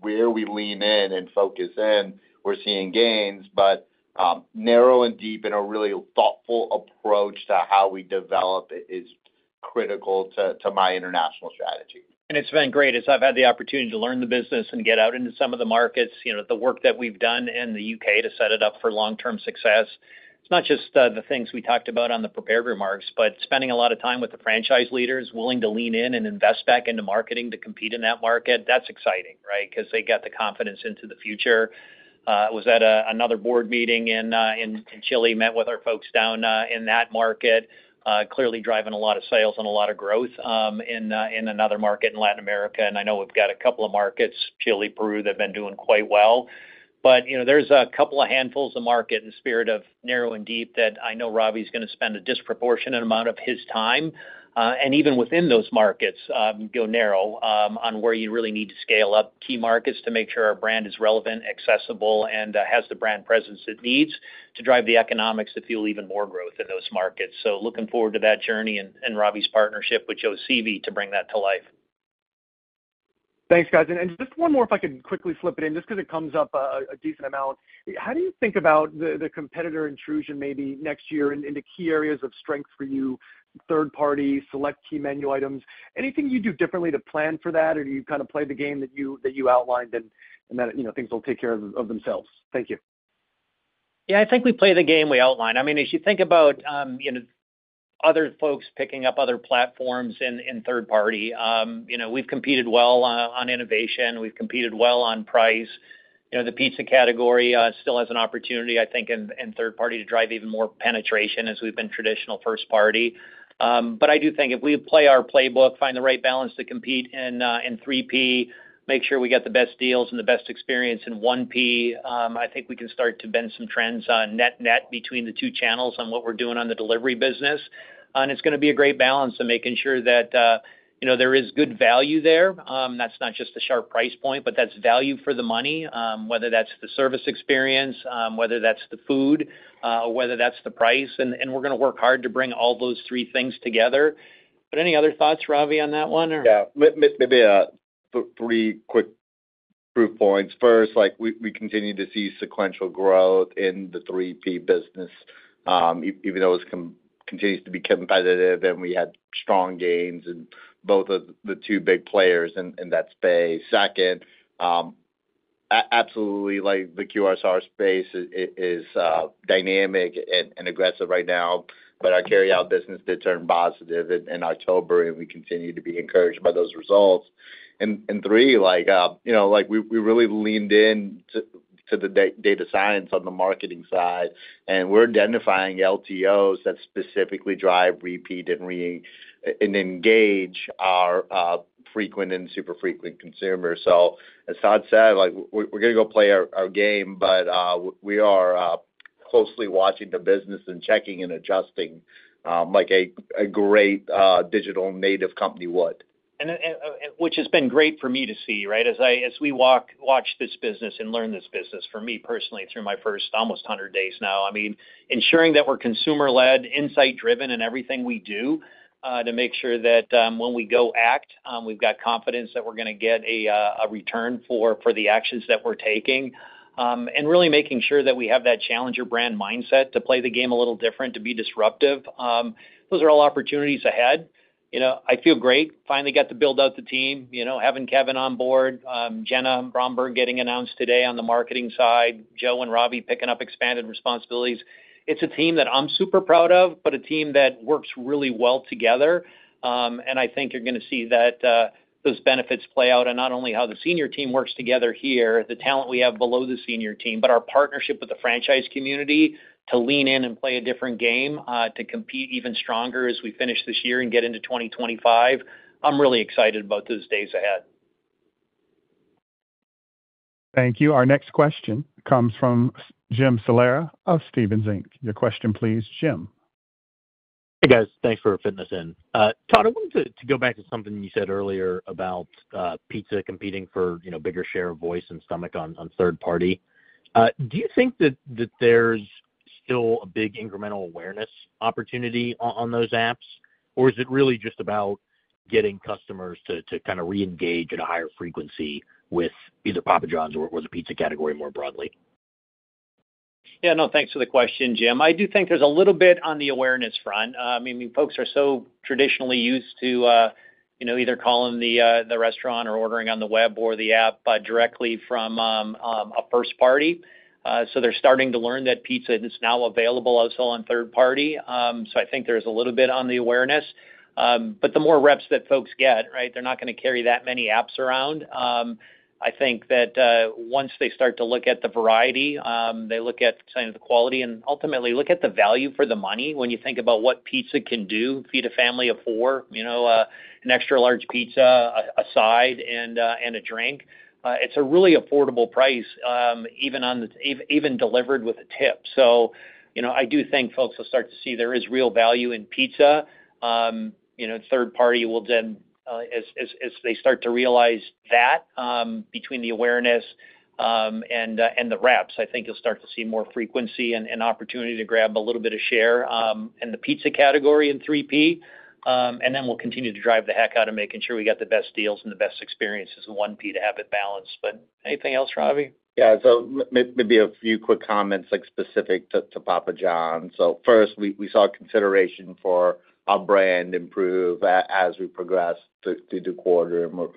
we lean in and focus in. We're seeing gains. But narrow and deep and a really thoughtful approach to how we develop is critical to my international strategy. And it's been great as I've had the opportunity to learn the business and get out into some of the markets, the work that we've done in the U.K. to set it up for long-term success. It's not just the things we talked about on the prepared remarks, but spending a lot of time with the franchise leaders willing to lean in and invest back into marketing to compete in that market. That's exciting, right? Because they got the confidence into the future. I was at another board meeting in Chile, met with our folks down in that market, clearly driving a lot of sales and a lot of growth in another market in Latin America. And I know we've got a couple of markets, Chile, Peru, that have been doing quite well. But there's a couple of handfuls of markets in the spirit of narrow and deep that I know Ravi's going to spend a disproportionate amount of his time and even within those markets go narrow on where you really need to scale up key markets to make sure our brand is relevant, accessible, and has the brand presence it needs to drive the economics to fuel even more growth in those markets. So looking forward to that journey and Ravi's partnership with Joe Sieve to bring that to life. Thanks, guys. And just one more, if I could quickly flip it in, just because it comes up a decent amount. How do you think about the competitor intrusion maybe next year into key areas of strength for you, third-party select key menu items? Anything you do differently to plan for that, or do you kind of play the game that you outlined and that things will take care of themselves? Thank you. Yeah, I think we play the game we outlined. I mean, as you think about other folks picking up other platforms in third party, we've competed well on innovation. We've competed well on price. The pizza category still has an opportunity, I think, in third party to drive even more penetration as we've been traditional first party. But I do think if we play our playbook, find the right balance to compete in 3P, make sure we get the best deals and the best experience in 1P, I think we can start to bend some trends net-net between the two channels on what we're doing on the delivery business. And it's going to be a great balance in making sure that there is good value there. That's not just a sharp price point, but that's value for the money, whether that's the service experience, whether that's the food, or whether that's the price. And we're going to work hard to bring all those three things together. But any other thoughts, Ravi, on that one? Yeah. Maybe three quick proof points. First, we continue to see sequential growth in the 3P business, even though it continues to be competitive, and we had strong gains in both of the two big players in that space. Second, absolutely, the QSR space is dynamic and aggressive right now, but our carry-out business did turn positive in October, and we continue to be encouraged by those results. And three, we really leaned into the data science on the marketing side, and we're identifying LTOs that specifically drive repeat and engage our frequent and super frequent consumers. So as Todd said, we're going to go play our game, but we are closely watching the business and checking and adjusting like a great digital native company would. And which has been great for me to see, right, as we watch this business and learn this business for me personally through my first almost 100 days now. I mean, ensuring that we're consumer-led, insight-driven in everything we do to make sure that when we go act, we've got confidence that we're going to get a return for the actions that we're taking. And really making sure that we have that challenger brand mindset to play the game a little different, to be disruptive. Those are all opportunities ahead. I feel great. Finally got to build out the team, having Kevin on board, Jenna Bromberg getting announced today on the marketing side, Joe and Ravi picking up expanded responsibilities. It's a team that I'm super proud of, but a team that works really well together. And I think you're going to see that those benefits play out in not only how the senior team works together here, the talent we have below the senior team, but our partnership with the franchise community to lean in and play a different game, to compete even stronger as we finish this year and get into 2025. I'm really excited about those days ahead. Thank you. Our next question comes from Jim Salera of Stephens Inc. Your question, please, Jim. Hey, guys. Thanks for fitting us in. Todd, I wanted to go back to something you said earlier about pizza competing for a bigger share of voice and stomach on third party. Do you think that there's still a big incremental awareness opportunity on those apps, or is it really just about getting customers to kind of reengage at a higher frequency with either Papa John's or the pizza category more broadly? Yeah. No, thanks for the question, Jim. I do think there's a little bit on the awareness front. I mean, folks are so traditionally used to either calling the restaurant or ordering on the web or the app directly from a first-party. So they're starting to learn that pizza is now available also on third-party. So I think there's a little bit on the awareness. But the more reps that folks get, right, they're not going to carry that many apps around. I think that once they start to look at the variety, they look at the quality, and ultimately, look at the value for the money when you think about what pizza can do, feed a family of four, an extra large pizza, a side, and a drink. It's a really affordable price, even delivered with a tip. So I do think folks will start to see there is real value in pizza. Third party will then, as they start to realize that between the awareness and the reps, I think you'll start to see more frequency and opportunity to grab a little bit of share in the pizza category in 3P. And then we'll continue to drive the heck out of making sure we got the best deals and the best experiences in 1P to have it balanced. But anything else, Ravi? Yeah. So maybe a few quick comments specific to Papa John's. So first, we saw consideration for our brand improve as we progress through the quarter. We're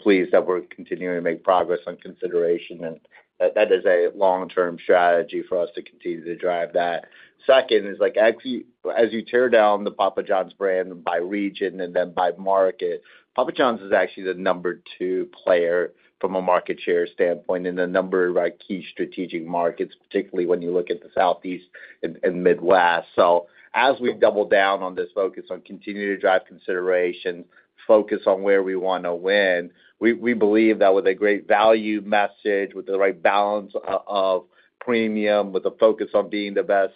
pleased that we're continuing to make progress on consideration, and that is a long-term strategy for us to continue to drive that. Second is, as you tear down the Papa John's brand by region and then by market, Papa John's is actually the number two player from a market share standpoint in a number of key strategic markets, particularly when you look at the Southeast and Midwest. So as we double down on this focus on continuing to drive consideration, focus on where we want to win, we believe that with a great value message, with the right balance of premium, with a focus on being the best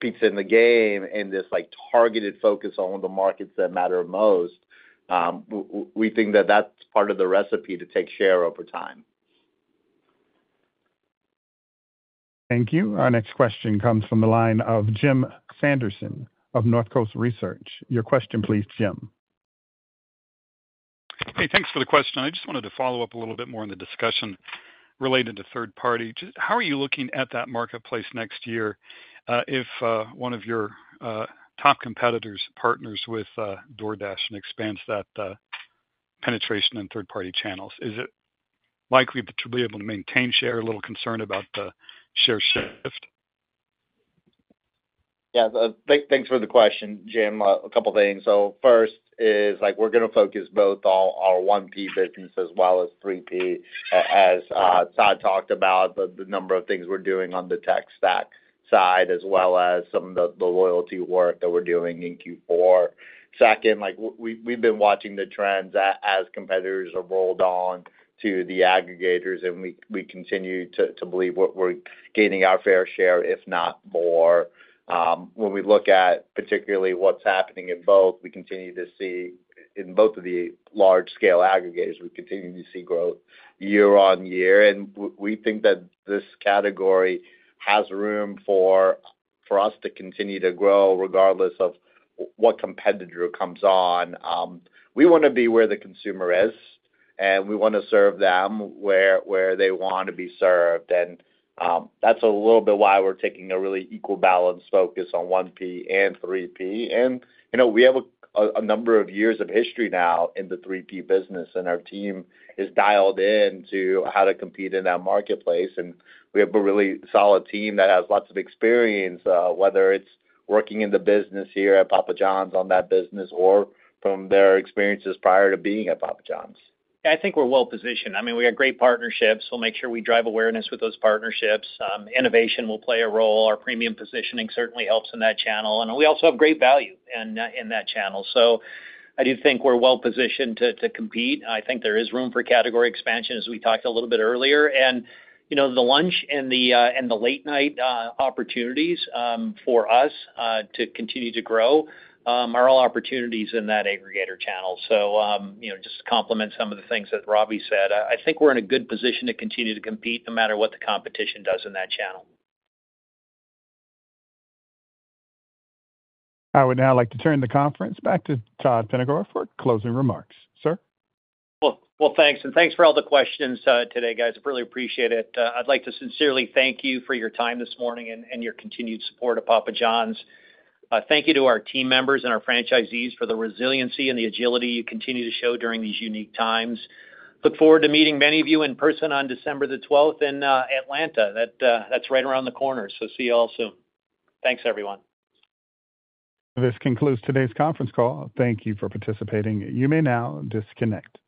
pizza in the game, and this targeted focus on the markets that matter most, we think that that's part of the recipe to take share over time. Thank you. Our next question comes from the line of Jim Sanderson of North Coast Research. Your question, please, Jim. Hey, thanks for the question. I just wanted to follow up a little bit more on the discussion related to third party. How are you looking at that marketplace next year if one of your top competitors partners with DoorDash and expands that penetration in third-party channels? Is it likely that you'll be able to maintain share? A little concern about the share shift? Yeah. Thanks for the question, Jim. A couple of things. So first is we're going to focus both our 1P business as well as 3P, as Todd talked about, the number of things we're doing on the tech stack side as well as some of the loyalty work that we're doing in Q4. Second, we've been watching the trends as competitors have rolled on to the aggregators, and we continue to believe we're gaining our fair share, if not more. When we look at particularly what's happening in both, we continue to see in both of the large-scale aggregators, we continue to see growth year on year. And we think that this category has room for us to continue to grow regardless of what competitor comes on. We want to be where the consumer is, and we want to serve them where they want to be served. And that's a little bit why we're taking a really equal balance focus on 1P and 3P. And we have a number of years of history now in the 3P business, and our team is dialed into how to compete in that marketplace. And we have a really solid team that has lots of experience, whether it's working in the business here at Papa John's on that business or from their experiences prior to being at Papa John's. Yeah, I think we're well positioned. I mean, we have great partnerships. We'll make sure we drive awareness with those partnerships. Innovation will play a role. Our premium positioning certainly helps in that channel. And we also have great value in that channel. So I do think we're well positioned to compete. I think there is room for category expansion, as we talked a little bit earlier. And the lunch and the late-night opportunities for us to continue to grow are all opportunities in that aggregator channel. So just to complement some of the things that Ravi said, I think we're in a good position to continue to compete no matter what the competition does in that channel. I would now like to turn the conference back to Todd Penegor for closing remarks. Sir. Well, thanks. And thanks for all the questions today, guys. I really appreciate it. I'd like to sincerely thank you for your time this morning and your continued support of Papa John's. Thank you to our team members and our franchisees for the resiliency and the agility you continue to show during these unique times. look forward to meeting many of you in person on December the 12th in Atlanta. That's right around the corner. So see you all soon. Thanks, everyone. This concludes today's conference call. Thank you for participating. You may now disconnect.